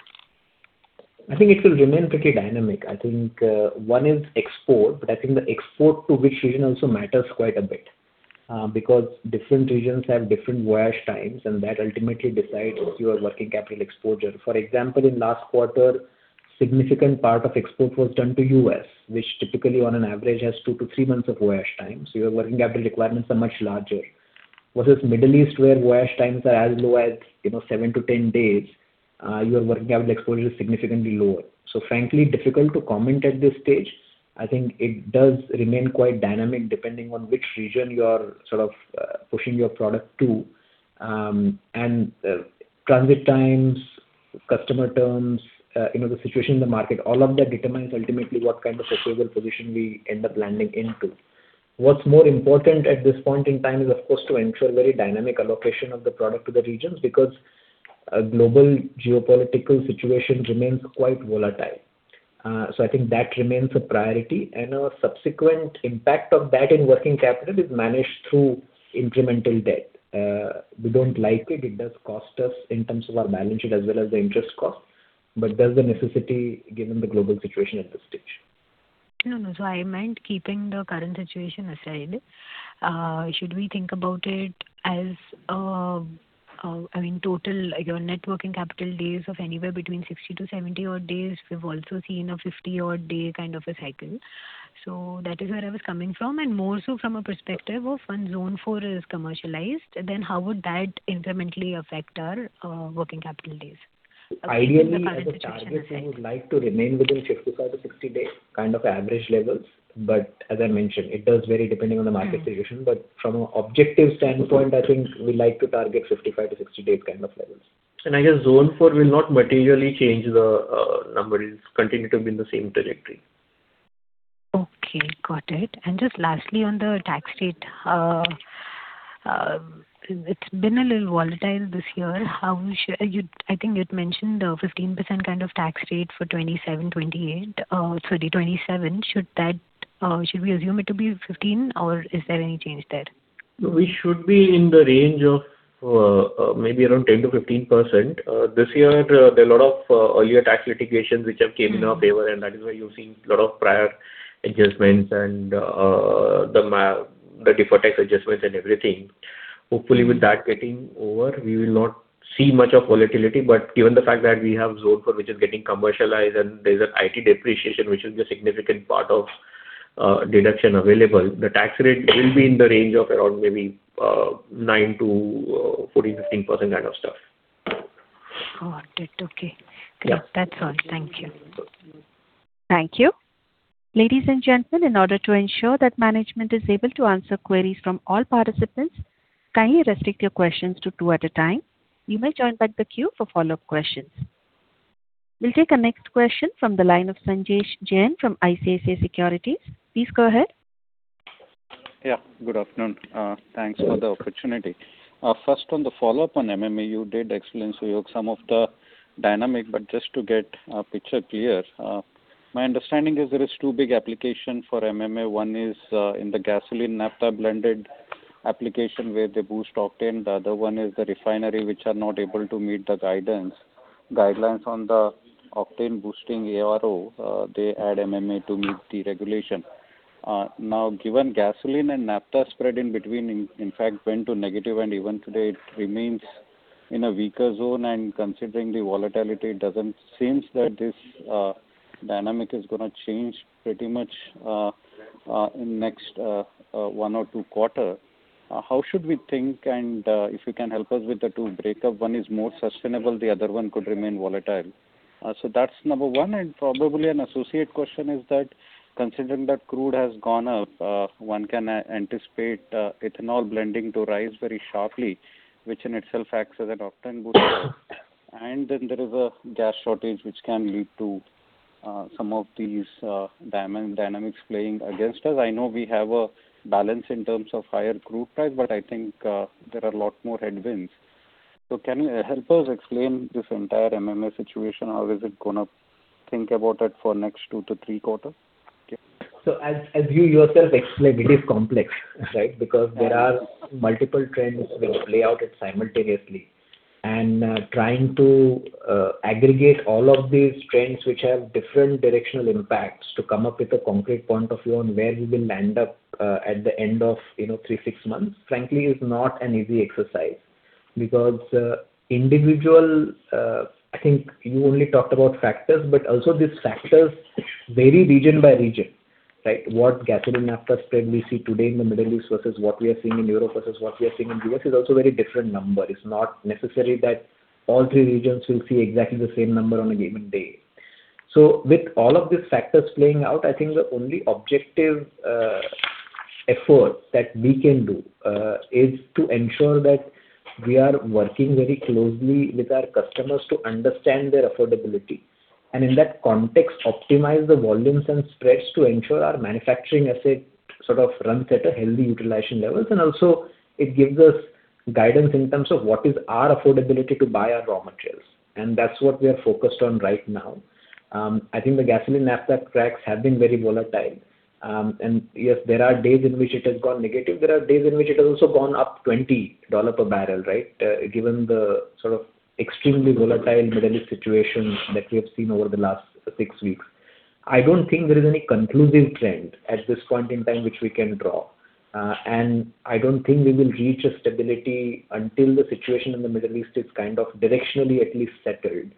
I think it will remain pretty dynamic. I think one is export, the export to which region also matters quite a bit because different regions have different voyage times, and that ultimately decides your working capital exposure. For example, in last quarter, significant part of export was done to U.S., which typically on an average has two to three months of voyage time, your working capital requirements are much larger. Versus Middle East, where voyage times are as low as, you know, 7-10 days, your working capital exposure is significantly lower. Frankly, difficult to comment at this stage. I think it does remain quite dynamic, depending on which region you are sort of pushing your product to. Transit times, customer terms, you know, the situation in the market, all of that determines ultimately what kind of a favorable position we end up landing into. What's more important at this point in time is, of course, to ensure very dynamic allocation of the product to the regions, because a global geopolitical situation remains quite volatile. I think that remains a priority, and our subsequent impact of that in working capital is managed through incremental debt. We don't like it. It does cost us in terms of our balance sheet as well as the interest cost. That's a necessity given the global situation at this stage. No, no. I meant keeping the current situation aside, should we think about it as, I mean, total, like your net working capital days of anywhere between 60 to 70 odd days. We've also seen a 50 odd day kind of a cycle. That is where I was coming from, and more so from a perspective of when Zone IV is commercialized, then how would that incrementally affect our, working capital days? Keeping the current situation aside. Ideally, as a target, we would like to remain within 55-60 days kind of average levels. As I mentioned, it does vary depending on the market situation. From an objective standpoint, I think we like to target 55-60 days kind of levels. I guess Zone IV will not materially change the numbers. Continue to be in the same trajectory. Okay, got it. Just lastly, on the tax rate, it's been a little volatile this year. I think you'd mentioned a 15% kind of tax rate for 2027, 2028, sorry, 2027. Should we assume it to be 15%, or is there any change there? We should be in the range of, maybe around 10%-15%. This year, there are a lot of earlier tax litigations which have came in our favor, and that is why you're seeing a lot of prior adjustments and the deferred tax adjustments and everything. Hopefully, with that getting over, we will not see much of volatility. Given the fact that we have Zone IV, which is getting commercialized, and there's an IT depreciation, which is a significant part of deduction available, the tax rate will be in the range of around maybe 9%-14%, 15% kind of stuff. Got it. Okay. Yeah. Great. That's all. Thank you. Good. Thank you. Ladies and gentlemen, in order to ensure that management is able to answer queries from all participants, kindly restrict your questions to two at a time. You may join back the queue for follow-up questions. We will take our next question from the line of Sanjesh Jain from ICICI Securities. Please go ahead. Yeah. Good afternoon. Thanks for the opportunity. First, on the follow-up on MMA, you did explain, Suyog, some of the dynamic, but just to get a picture clear. My understanding is there is two big application for MMA. One is in the gasoline naphtha blended application where they boost octane. The other one is the refinery, which are not able to meet the guidance, guidelines on the octane boosting ARO. They add MMA to meet the regulation. Now, given gasoline and naphtha spread in between, in fact, went to negative, and even today it remains in a weaker zone, and considering the volatility, it doesn't seem that this dynamic is gonna change pretty much in next one or two quarter. How should we think? If you can help us with the two breakup. One is more sustainable, the other one could remain volatile. That's number one. Probably an associate question is that considering that crude has gone up, one can anticipate ethanol blending to rise very sharply, which in itself acts as an octane booster. Then there is a gas shortage which can lead to some of these dynamics playing against us. I know we have a balance in terms of higher crude price, but I think there are a lot more headwinds. Can you help us explain this entire MMA situation? How is it gonna think about it for next two to three quarter? Yeah. As you yourself explained, it is complex, right? There are multiple trends which play out simultaneously. Trying to aggregate all of these trends which have different directional impacts to come up with a concrete point of view on where we will land up at the end of, you know, three, six months, frankly, is not an easy exercise. Individual, I think you only talked about factors, but also these factors vary region by region, right? What gasoline naphtha spread we see today in the Middle East versus what we are seeing in Europe versus what we are seeing in U.S. is also very different number. It's not necessary that all three regions will see exactly the same number on a given day. With all of these factors playing out, I think the only objective effort that we can do is to ensure that we are working very closely with our customers to understand their affordability. In that context, optimize the volumes and spreads to ensure our manufacturing asset sort of runs at a healthy utilization levels. Also it gives us guidance in terms of what is our affordability to buy our raw materials. That's what we are focused on right now. I think the gasoline naphtha cracks have been very volatile. Yes, there are days in which it has gone negative. There are days in which it has also gone up $20 per barrel, right? Given the sort of extremely volatile Middle East situation that we have seen over the last six weeks. I don't think there is any conclusive trend at this point in time which we can draw. I don't think we will reach a stability until the situation in the Middle East is kind of directionally at least settled.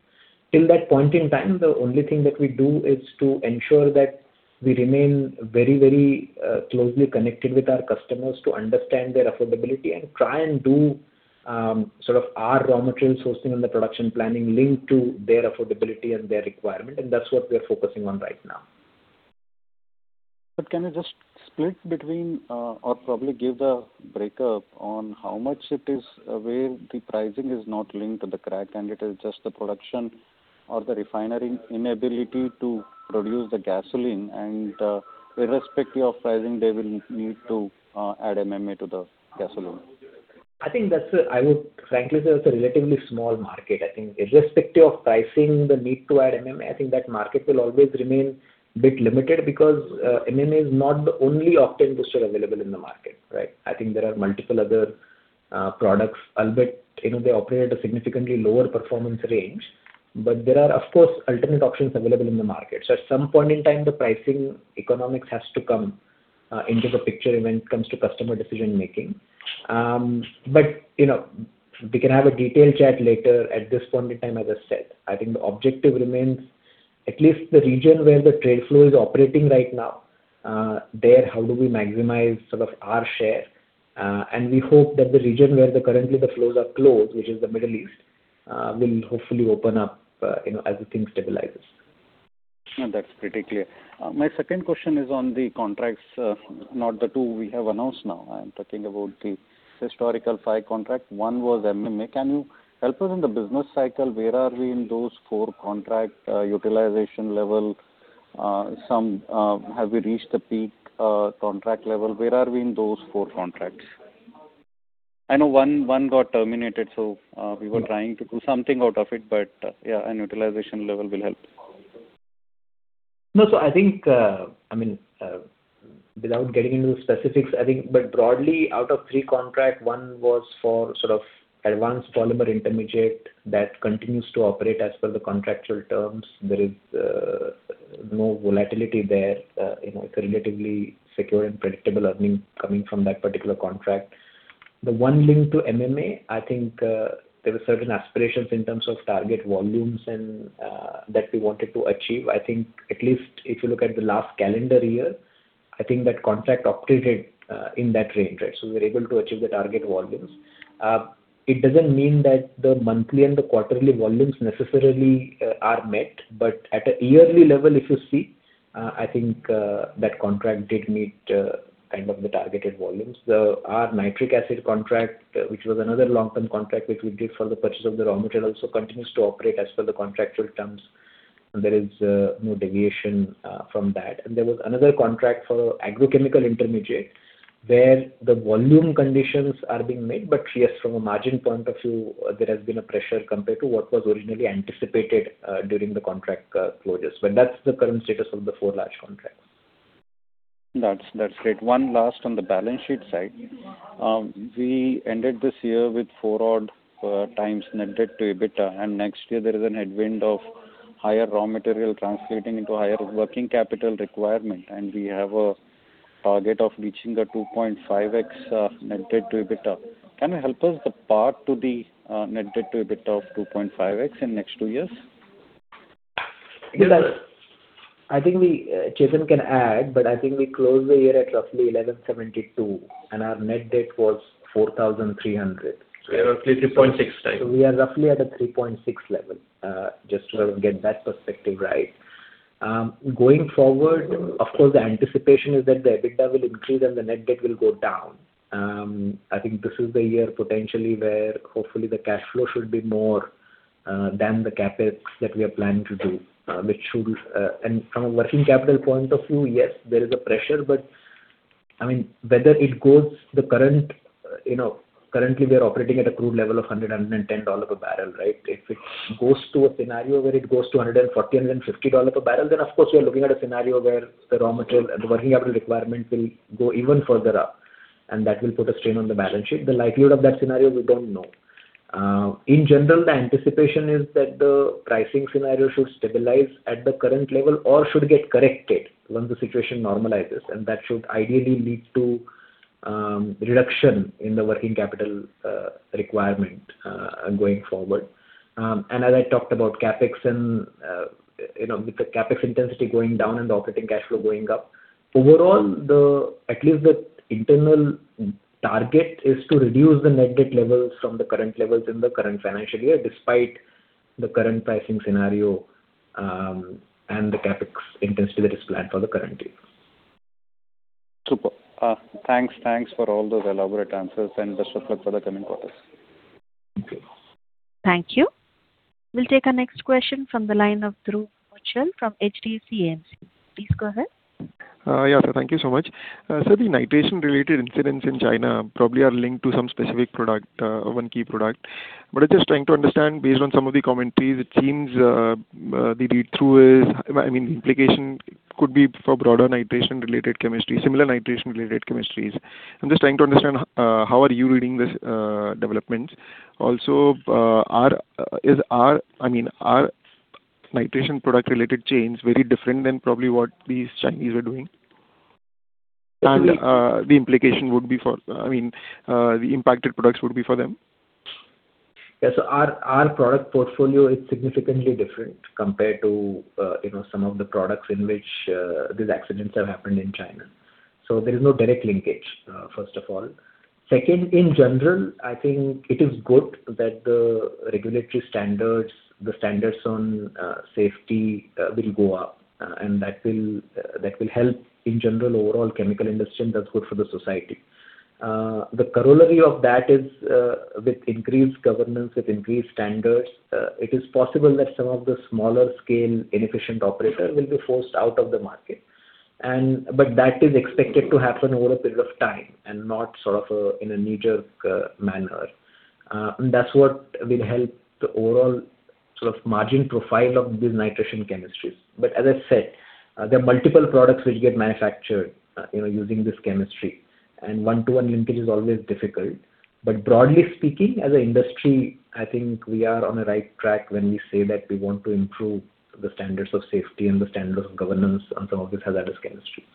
Till that point in time, the only thing that we do is to ensure that we remain very, very closely connected with our customers to understand their affordability and try and do sort of our raw material sourcing and the production planning linked to their affordability and their requirement. That's what we are focusing on right now. Can you just split between, or probably give a breakup on how much it is where the pricing is not linked to the crack and it is just the production or the refinery inability to produce the gasoline and, irrespective of pricing, they will need to add MMA to the gasoline. I would frankly say that's a relatively small market. I think irrespective of pricing, the need to add MMA, I think that market will always remain a bit limited because MMA is not the only octane booster available in the market, right? I think there are multiple other products, albeit, you know, they operate at a significantly lower performance range. There are, of course, alternate options available in the market. At some point in time, the pricing economics has to come into the picture when it comes to customer decision-making. You know, we can have a detailed chat later. At this point in time, as I said, I think the objective remains at least the region where the trade flow is operating right now, there, how do we maximize sort of our share? We hope that the region where currently the flows are closed, which is the Middle East, will hopefully open up, you know, as the thing stabilizes. That's pretty clear. My second question is on the contracts, not the two we have announced now. I'm talking about the historical five contract. One was MMA. Can you help us in the business cycle, where are we in those four contract, utilization level? Some, have we reached the peak, contract level? Where are we in those four contracts? I know one got terminated, so, we were trying to do something out of it. Yeah, and utilization level will help. No. I think, without getting into the specifics, broadly, out of three contract, one was for sort of advanced polymer intermediate that continues to operate as per the contractual terms. There is no volatility there. You know, it's a relatively secure and predictable earnings coming from that particular contract. The one linked to MMA, I think, there were certain aspirations in terms of target volumes and that we wanted to achieve. I think at least if you look at the last calendar year, I think that contract operated in that range, right? We were able to achieve the target volumes. It doesn't mean that the monthly and the quarterly volumes necessarily are met, but at a yearly level, if you see, I think, that contract did meet kind of the targeted volumes. Our nitric acid contract, which was another long-term contract which we did for the purchase of the raw material, also continues to operate as per the contractual terms, and there is no deviation from that. There was another contract for agrochemical intermediate, where the volume conditions are being met. Yes, from a margin point of view, there has been a pressure compared to what was originally anticipated during the contract closures. That's the current status of the four large contracts. That's great. One last on the balance sheet side. We ended this year with four odd times net debt to EBITDA. Next year there is a headwind of higher raw material translating into higher working capital requirement. We have a target of reaching the 2.5x net debt to EBITDA. Can you help us the path to the net debt to EBITDA of 2.5x in next two years? I think Chetan Gandhi can add. I think we closed the year at roughly 1,172, and our net debt was 4,300. We are roughly 3.6x. We are roughly at a 3.6x level, just to get that perspective right. Going forward, of course, the anticipation is that the EBITDA will increase and the net debt will go down. I think this is the year potentially where hopefully the cash flow should be more than the CapEx that we are planning to do. From a working capital point of view, yes, there is a pressure, but I mean, currently, we are operating at a crude level of $100-$110 per barrel, right. If it goes to a scenario where it goes to $140, $150 per barrel, of course you're looking at a scenario where the raw material and the working capital requirement will go even further up, and that will put a strain on the balance sheet. The likelihood of that scenario, we don't know. In general, the anticipation is that the pricing scenario should stabilize at the current level or should get corrected once the situation normalizes, and that should ideally lead to reduction in the working capital requirement going forward. As I talked about CapEx, you know, with the CapEx intensity going down and the operating cash flow going up. At least the internal target is to reduce the net debt levels from the current levels in the current financial year, despite the current pricing scenario, and the CapEx intensity that is planned for the current year. Super. Thanks for all those elaborate answers and best of luck for the coming quarters. Thank you. Thank you. We'll take our next question from the line of Dhruv Kuchhal from HDFC AMC. Please go ahead. Yeah. Thank you so much. The nitration related incidents in China probably are linked to some specific product, one key product. But I'm just trying to understand based on some of the commentaries, it seems, the read-through is, I mean, the implication could be for broader nitration related chemistry, similar nitration related chemistries. I'm just trying to understand, how are you reading this development? Also, I mean, are nitration product related change very different than probably what these Chinese are doing? The implication would be for, I mean, the impacted products would be for them. Yeah. Our product portfolio is significantly different compared to, you know, some of the products in which these accidents have happened in China. There is no direct linkage, first of all. Second, in general, I think it is good that the regulatory standards, the standards on safety, will go up, and that will help in general overall chemical industry, and that's good for the society. The corollary of that is, with increased governance, with increased standards, it is possible that some of the smaller scale inefficient operator will be forced out of the market. That is expected to happen over a period of time and not sort of, in a knee-jerk manner. That's what will help the overall sort of margin profile of these nitration chemistries. As I said, there are multiple products which get manufactured, you know, using this chemistry, and one-to-one linkage is always difficult. Broadly speaking, as an industry, I think we are on the right track when we say that we want to improve the standards of safety and the standards of governance on some of these hazardous chemistries.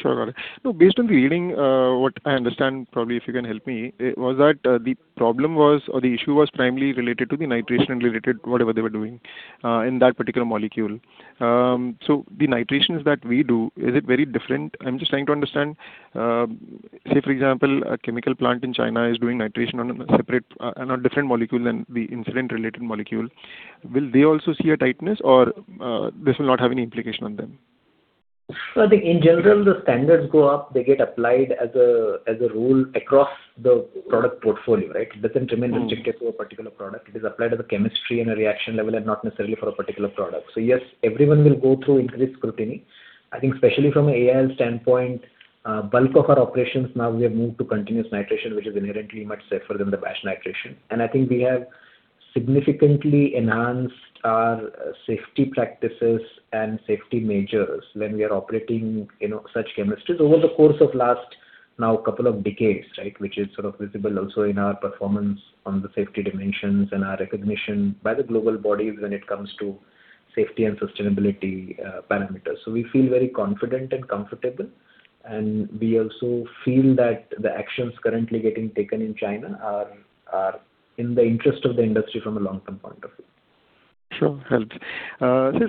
Sure, got it. Based on the reading, what I understand, probably if you can help me, it was that the problem was or the issue was primarily related to the nitration related whatever they were doing in that particular molecule. The nitrations that we do, is it very different? I'm just trying to understand. Say, for example, a chemical plant in China is doing nitration on a separate, on a different molecule than the incident related molecule. Will they also see a tightness or, this will not have any implication on them? I think in general the standards go up, they get applied as a rule across the product portfolio, right? It doesn't remain restricted to a particular product. It is applied as a chemistry and a reaction level and not necessarily for a particular product. Yes, everyone will go through increased scrutiny. I think especially from an AIL standpoint, bulk of our operations now we have moved to continuous nitration, which is inherently much safer than the batch nitration. I think we have significantly enhanced our safety practices and safety measures when we are operating, you know, such chemistries over the course of last now couple of decades, right? Which is sort of visible also in our performance on the safety dimensions and our recognition by the global bodies when it comes to safety and sustainability parameters. We feel very confident and comfortable, and we also feel that the actions currently getting taken in China are in the interest of the industry from a long term point of view. Sure. Helps.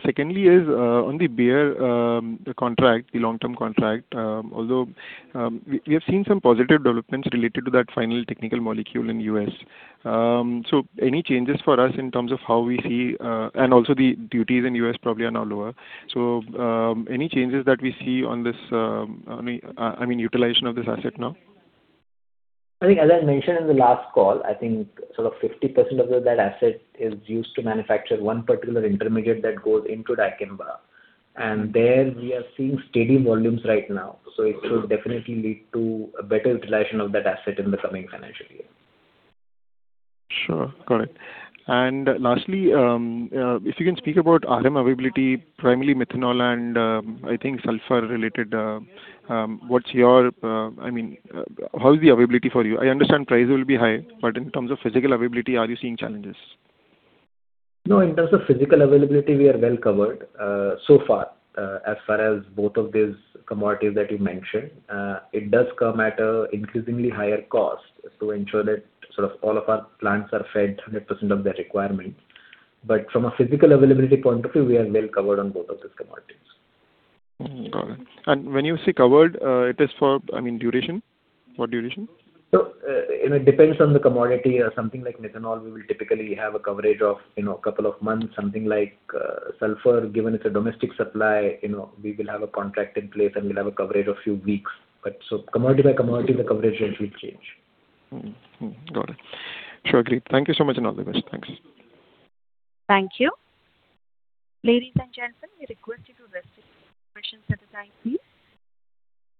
Secondly is on the BASF contract, the long term contract, although we have seen some positive developments related to that final technical molecule in U.S. Any changes for us in terms of how we see, and also the duties in U.S. probably are now lower. Any changes that we see on this, I mean, I mean, utilization of this asset now? I think as I mentioned in the last call, I think sort of 50% of that asset is used to manufacture one particular intermediate that goes into Dicamba. There we are seeing steady volumes right now. It should definitely lead to a better utilization of that asset in the coming financial year. Sure. Got it. Lastly, if you can speak about RM availability, primarily methanol and, I think sulfur related, what's your, I mean, how is the availability for you? I understand price will be high, but in terms of physical availability, are you seeing challenges? No, in terms of physical availability we are well covered, so far. As far as both of these commodities that you mentioned, it does come at a increasingly higher cost to ensure that sort of all of our plants are fed 100% of their requirement. From a physical availability point of view, we are well covered on both of these commodities. Mm-hmm. Got it. When you say covered, it is for, I mean, duration? What duration? You know, it depends on the commodity. Something like methanol, we will typically have a coverage of, you know, couple of months. Something like sulfur, given it's a domestic supply, you know, we will have a contract in place and we'll have a coverage of few weeks. Commodity by commodity, the coverage range will change. Mm-hmm. Mm-hmm. Got it. Sure. Great. Thank you so much and all the best. Thanks. Thank you. Ladies and gentlemen, we request you to restate your questions at a time, please.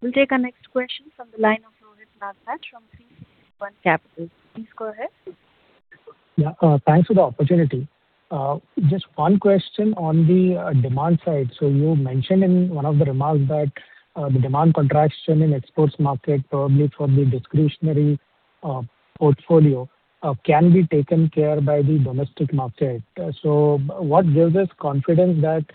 We'll take our next question from the line of Rohit Nagraj from 360 ONE Capital. Please go ahead. Yeah. Thanks for the opportunity. Just one question on the demand side. You mentioned in one of the remarks that the demand contraction in exports market probably from the discretionary portfolio can be taken care by the domestic market. What gives us confidence that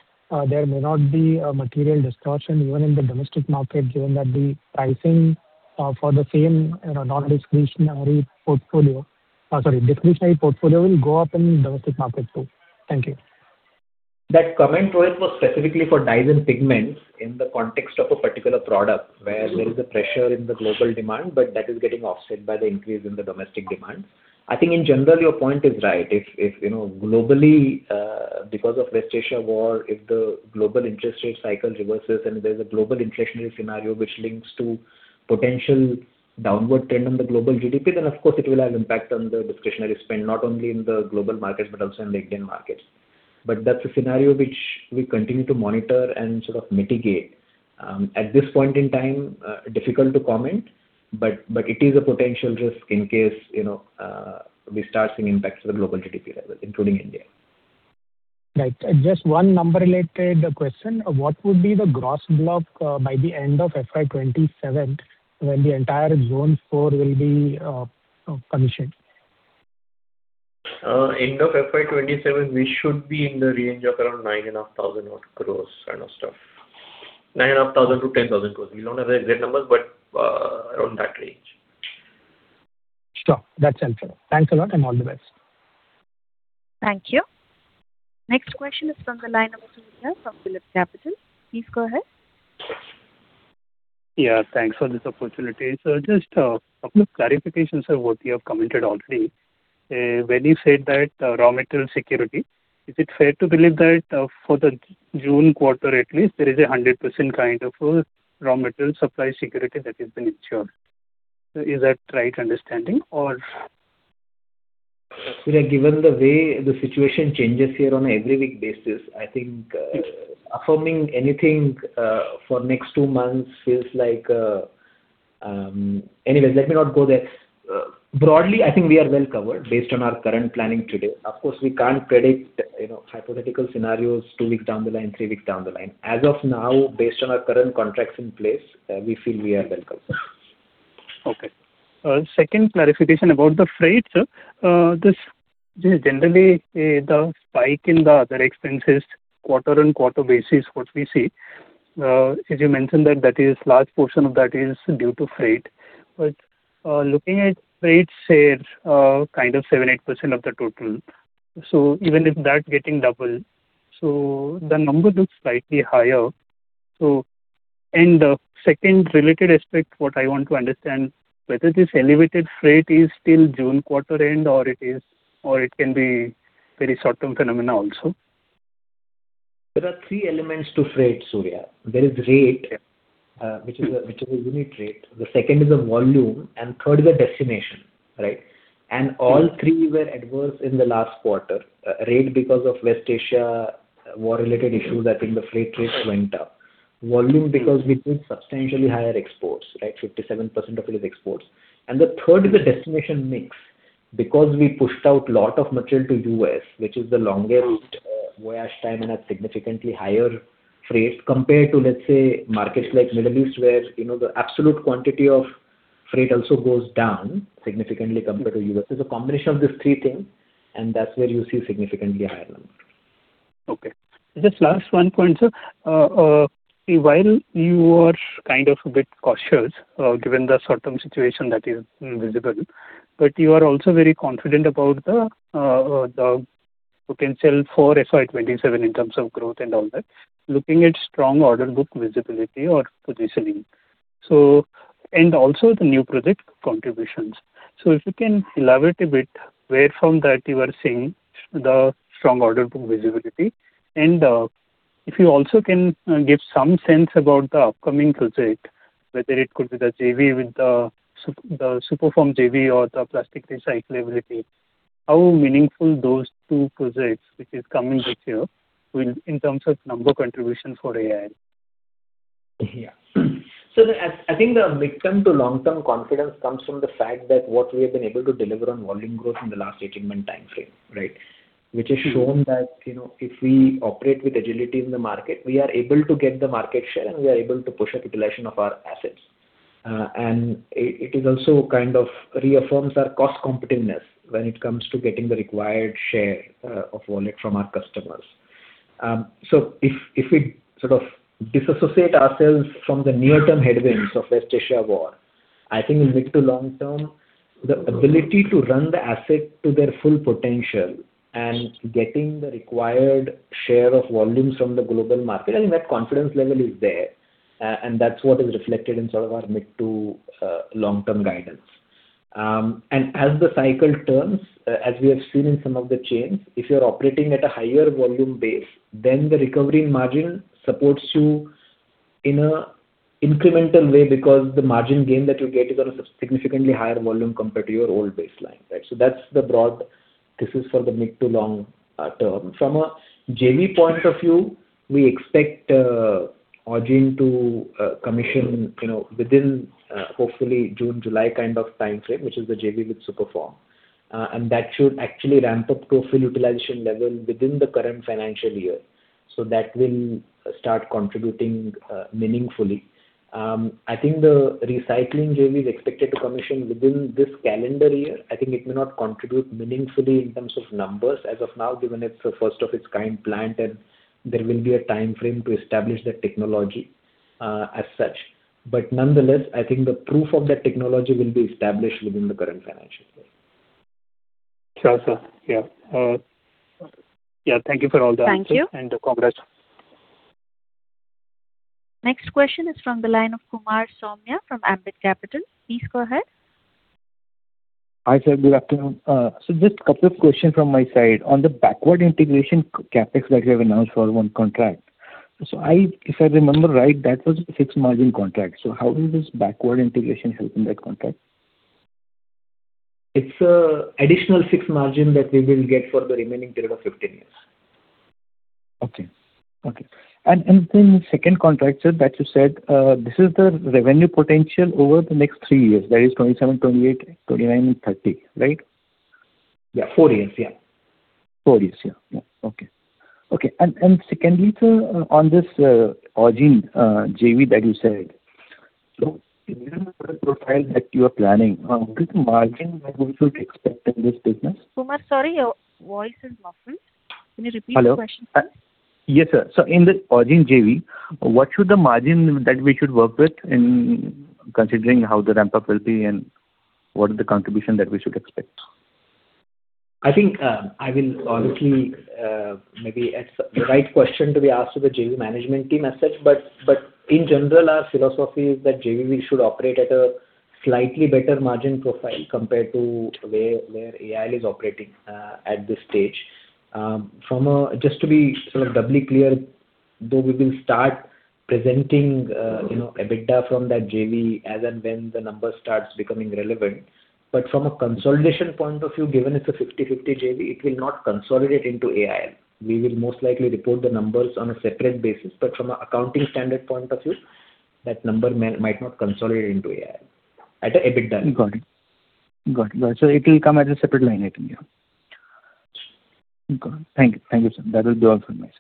there may not be a material distortion even in the domestic market, given that the pricing for the same, you know, non-discretionary portfolio, sorry, discretionary portfolio will go up in domestic market too? Thank you. That comment was specifically for dyes and pigments in the context of a particular product where there is a pressure in the global demand, but that is getting offset by the increase in the domestic demand. I think in general, your point is right. If, you know, globally, because of West Asia war, if the global interest rate cycle reverses and there's a global inflationary scenario which links to potential downward trend on the global GDP, then of course it will have impact on the discretionary spend, not only in the global market but also in the Indian market. That's a scenario which we continue to monitor and sort of mitigate. At this point in time, difficult to comment, but it is a potential risk in case, you know, we start seeing impacts to the global GDP levels, including India. Right. Just one number related question. What would be the gross block by the end of FY 2027 when the entire Zone IV will be commissioned? End of FY 2027, we should be in the range of around nine and a half thousand odd gross kind of stuff. 9,500-10,000 gross. We don't have the exact numbers, but around that range. Sure. That's helpful. Thanks a lot, and all the best. Thank you. Next question is from the line of Surya from PhillipCapital. Please go ahead. Yeah, thanks for this opportunity. Just two clarifications of what you have commented already. When you said that raw material security, is it fair to believe that, for the June quarter at least there is a 100% kind of raw material supply security that has been ensured? Is that right understanding? Surya, given the way the situation changes here on an every week basis, I think, affirming anything for next two months feels like. Anyways, let me not go there. Broadly, I think we are well covered based on our current planning today. Of course, we can't predict, you know, hypothetical scenarios two weeks down the line, three weeks down the line. As of now, based on our current contracts in place, we feel we are well covered. Okay. Second clarification about the freight, sir. This is generally the spike in the other expenses quarter-on-quarter basis what we see. As you mentioned that is large portion of that is due to freight. Looking at freight share, kind of 7%, 8% of the total. Even if that getting double, so the number looks slightly higher. Second related aspect what I want to understand, whether this elevated freight is till June quarter-end or it is, or it can be very short-term phenomena also. There are three elements to freight, Surya. There is rate, which is a unit rate. The second is the volume, third is the destination, right? All three were adverse in the last quarter. Rate because of West Asia war related issue that in the freight rates went up. Volume because we did substantially higher exports, right? 57% of it is exports. The third is the destination mix. Because we pushed out lot of material to U.S., which is the longest voyage time and a significantly higher freight compared to, let’s say, markets like Middle East, where, you know, the absolute quantity of freight also goes down significantly compared to U.S. It’s a combination of these three things, and that’s where you see significantly higher number. Okay. Just last one point, sir. While you are kind of a bit cautious, given the short-term situation that is visible, but you are also very confident about the potential for FY 2027 in terms of growth and all that, looking at strong order book visibility or positioning and also the new project contributions. If you can elaborate a bit where from that you are seeing the strong order book visibility? If you also can give some sense about the upcoming project, whether it could be the JV with the Superform JV or the plastic recyclability, how meaningful those two projects which is coming with you will in terms of number contribution for AIL? Yeah. The, I think the midterm to long-term confidence comes from the fact that what we have been able to deliver on volume growth in the last 18-month timeframe, right? Which has shown that, you know, if we operate with agility in the market, we are able to get the market share and we are able to push a utilization of our assets. And it is also kind of reaffirms our cost competitiveness when it comes to getting the required share of wallet from our customers. If we sort of disassociate ourselves from the near-term headwinds of West Asia war, I think in mid to long term, the ability to run the asset to their full potential and getting the required share of volumes from the global market, I think that confidence level is there. That's what is reflected in sort of our mid to long-term guidance. As the cycle turns, as we have seen in some of the chains, if you're operating at a higher volume base, then the recovery in margin supports you in an incremental way because the margin gain that you get is at a significantly higher volume compared to your old baseline, right? That's the broad thesis for the mid to long term. From a JV point of view, we expect Augene to commission, you know, within hopefully June, July kind of timeframe, which is the JV with UPL. That should actually ramp up to a full utilization level within the current financial year. That will start contributing meaningfully. I think the recycling JV is expected to commission within this calendar year. I think it may not contribute meaningfully in terms of numbers as of now, given it's a first of its kind plant and there will be a timeframe to establish that technology, as such. Nonetheless, I think the proof of that technology will be established within the current financial year. Sure, sir. Yeah. Yeah, thank you for all the answers. Thank you. congrats. Next question is from the line of Kumar Saumya from Ambit Capital. Please go ahead. Hi, sir. Good afternoon. Just two questions from my side. On the backward integration CapEx that you have announced for one contract. If I remember right, that was a fixed margin contract. How will this backward integration help in that contract? It's a additional fixed margin that we will get for the remaining period of 15 years. Okay. Okay. Then the second contract, sir, that you said, this is the revenue potential over the next three years, that is 2027, 2028, 2029 and 2030, right? Yeah, four years. Yeah. Four years. Okay. Secondly, sir, on this Ojiin JV that you said. Given the profile that you are planning, what is the margin that we should expect in this business? Kumar, sorry, your voice is muffled. Can you repeat the question, sir? Hello. Yes, sir. In the Ojiin JV, what should the margin that we should work with in considering how the ramp-up will be and what is the contribution that we should expect? I think, I will honestly, maybe ask the right question to be asked to the JV management team as such. In general, our philosophy is that JV should operate at a slightly better margin profile compared to where AIL is operating at this stage. Just to be sort of doubly clear, though we will start presenting, you know, EBITDA from that JV as and when the number starts becoming relevant. From a consolidation point of view, given it's a 50/50 JV, it will not consolidate into AIL. We will most likely report the numbers on a separate basis, from a accounting standard point of view, that number may, might not consolidate into AIL at a EBITDA level. Got it. It will come as a separate line item, yeah. Okay. Thank you. Thank you, sir. That will be all from my side.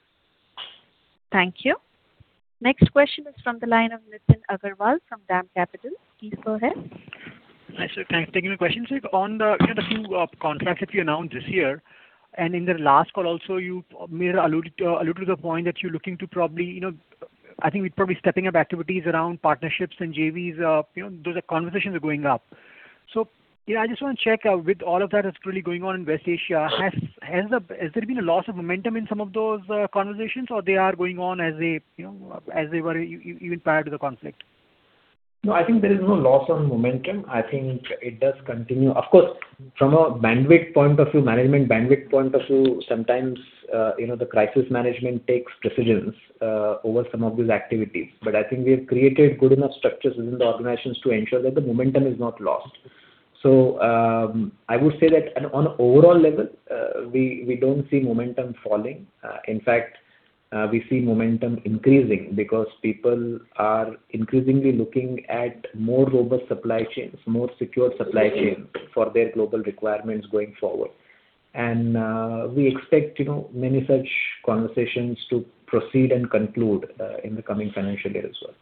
Thank you. Next question is from the line of Nitin Agarwal from DAM Capital. Please go ahead. Hi, sir. Thank you for taking my question, sir. On the, you know, the two contracts that you announced this year, and in the last call also, you may have alluded to the point that you're looking to probably, you know, I think stepping up activities around partnerships and JVs. You know, those are conversations are going up. Yeah, I just want to check with all of that that's really going on in West Asia, has there been a loss of momentum in some of those conversations, or they are going on as they, you know, as they were even prior to the conflict? No, I think there is no loss on momentum. I think it does continue. Of course, from a bandwidth point of view, management bandwidth point of view, sometimes, you know, the crisis management takes precedence over some of these activities. I think we have created good enough structures within the organizations to ensure that the momentum is not lost. I would say that on a overall level, we don't see momentum falling. In fact, we see momentum increasing because people are increasingly looking at more robust supply chains, more secure supply chains for their global requirements going forward. We expect, you know, many such conversations to proceed and conclude in the coming financial year as well.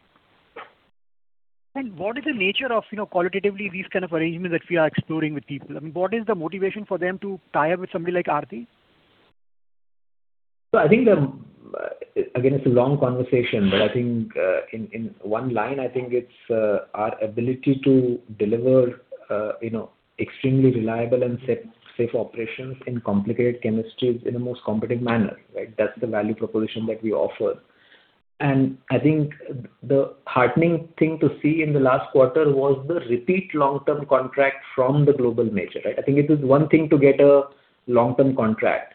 What is the nature of, you know, qualitatively these kind of arrangements that we are exploring with people? I mean, what is the motivation for them to tie up with somebody like Aarti? I think the, again, it's a long conversation, but I think, in one line, I think it's our ability to deliver, you know, extremely reliable and safe operations in complicated chemistries in a most competent manner, right? That's the value proposition that we offer. I think the heartening thing to see in the last quarter was the repeat long-term contract from the global major, right? I think it is one thing to get a long-term contract,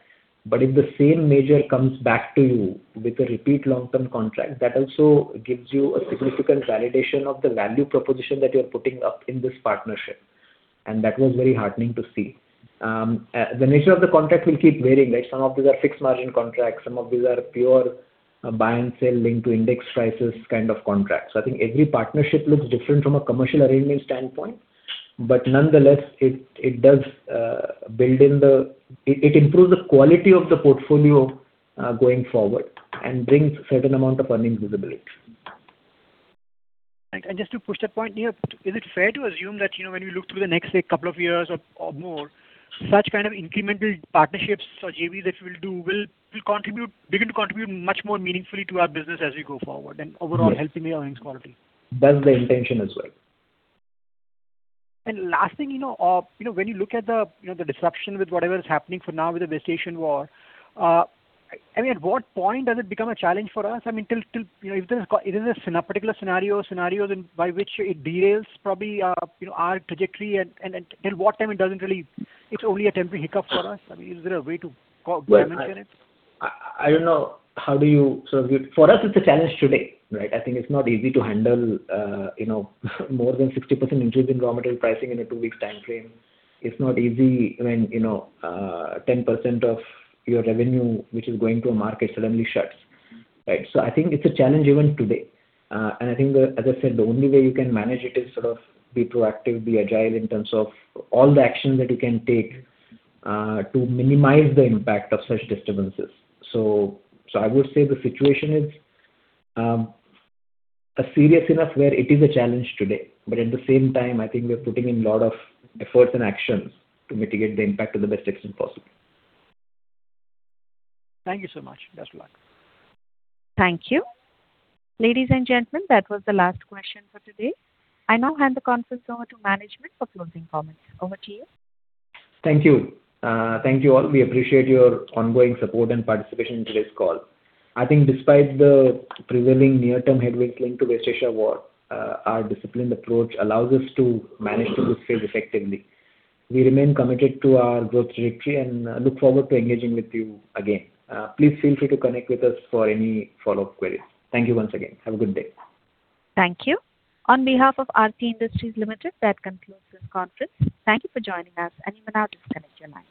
but if the same major comes back to you with a repeat long-term contract, that also gives you a significant validation of the value proposition that you're putting up in this partnership, and that was very heartening to see. The nature of the contract will keep varying, right? Some of these are fixed margin contracts, some of these are pure buy and sell linked to index prices kind of contracts. I think every partnership looks different from a commercial arrangement standpoint, but nonetheless, it improves the quality of the portfolio going forward and brings certain amount of earning visibility. Just to push that point, you know, is it fair to assume that, you know, when you look through the next, say, couple of years or more, such kind of incremental partnerships or JVs that you will do will contribute, begin to contribute much more meaningfully to our business as we go forward and overall helping the earnings quality? That's the intention as well. Last thing, you know, you know, when you look at the, you know, the disruption with whatever is happening for now with the West Asian war, I mean, at what point does it become a challenge for us? I mean, till, you know, if there's a, is this a particular scenario or scenarios in by which it derails probably, you know, our trajectory and till what time? It's only a temporary hiccup for us. I mean, is there a way to go dimension it? Well, I don't know. For us, it's a challenge today. I think it's not easy to handle, you know, more than 60% increase in raw material pricing in a two-weeks timeframe. It's not easy when, you know, 10% of your revenue, which is going to a market, suddenly shuts. I think it's a challenge even today. I think, as I said, the only way you can manage it is sort of be proactive, be agile in terms of all the action that you can take to minimize the impact of such disturbances. I would say the situation is serious enough where it is a challenge today. At the same time, I think we're putting in lot of efforts and actions to mitigate the impact to the best extent possible. Thank you so much. Best of luck. Thank you. Ladies and gentlemen, that was the last question for today. I now hand the conference over to management for closing comments. Over to you. Thank you. Thank you, all. We appreciate your ongoing support and participation in today's call. I think despite the prevailing near-term headwinds linked to West Asia war, our disciplined approach allows us to manage through this phase effectively. We remain committed to our growth trajectory and look forward to engaging with you again. Please feel free to connect with us for any follow-up queries. Thank you once again. Have a good day. Thank you. On behalf of Aarti Industries Limited, that concludes this conference. Thank you for joining us, and you may now disconnect your lines.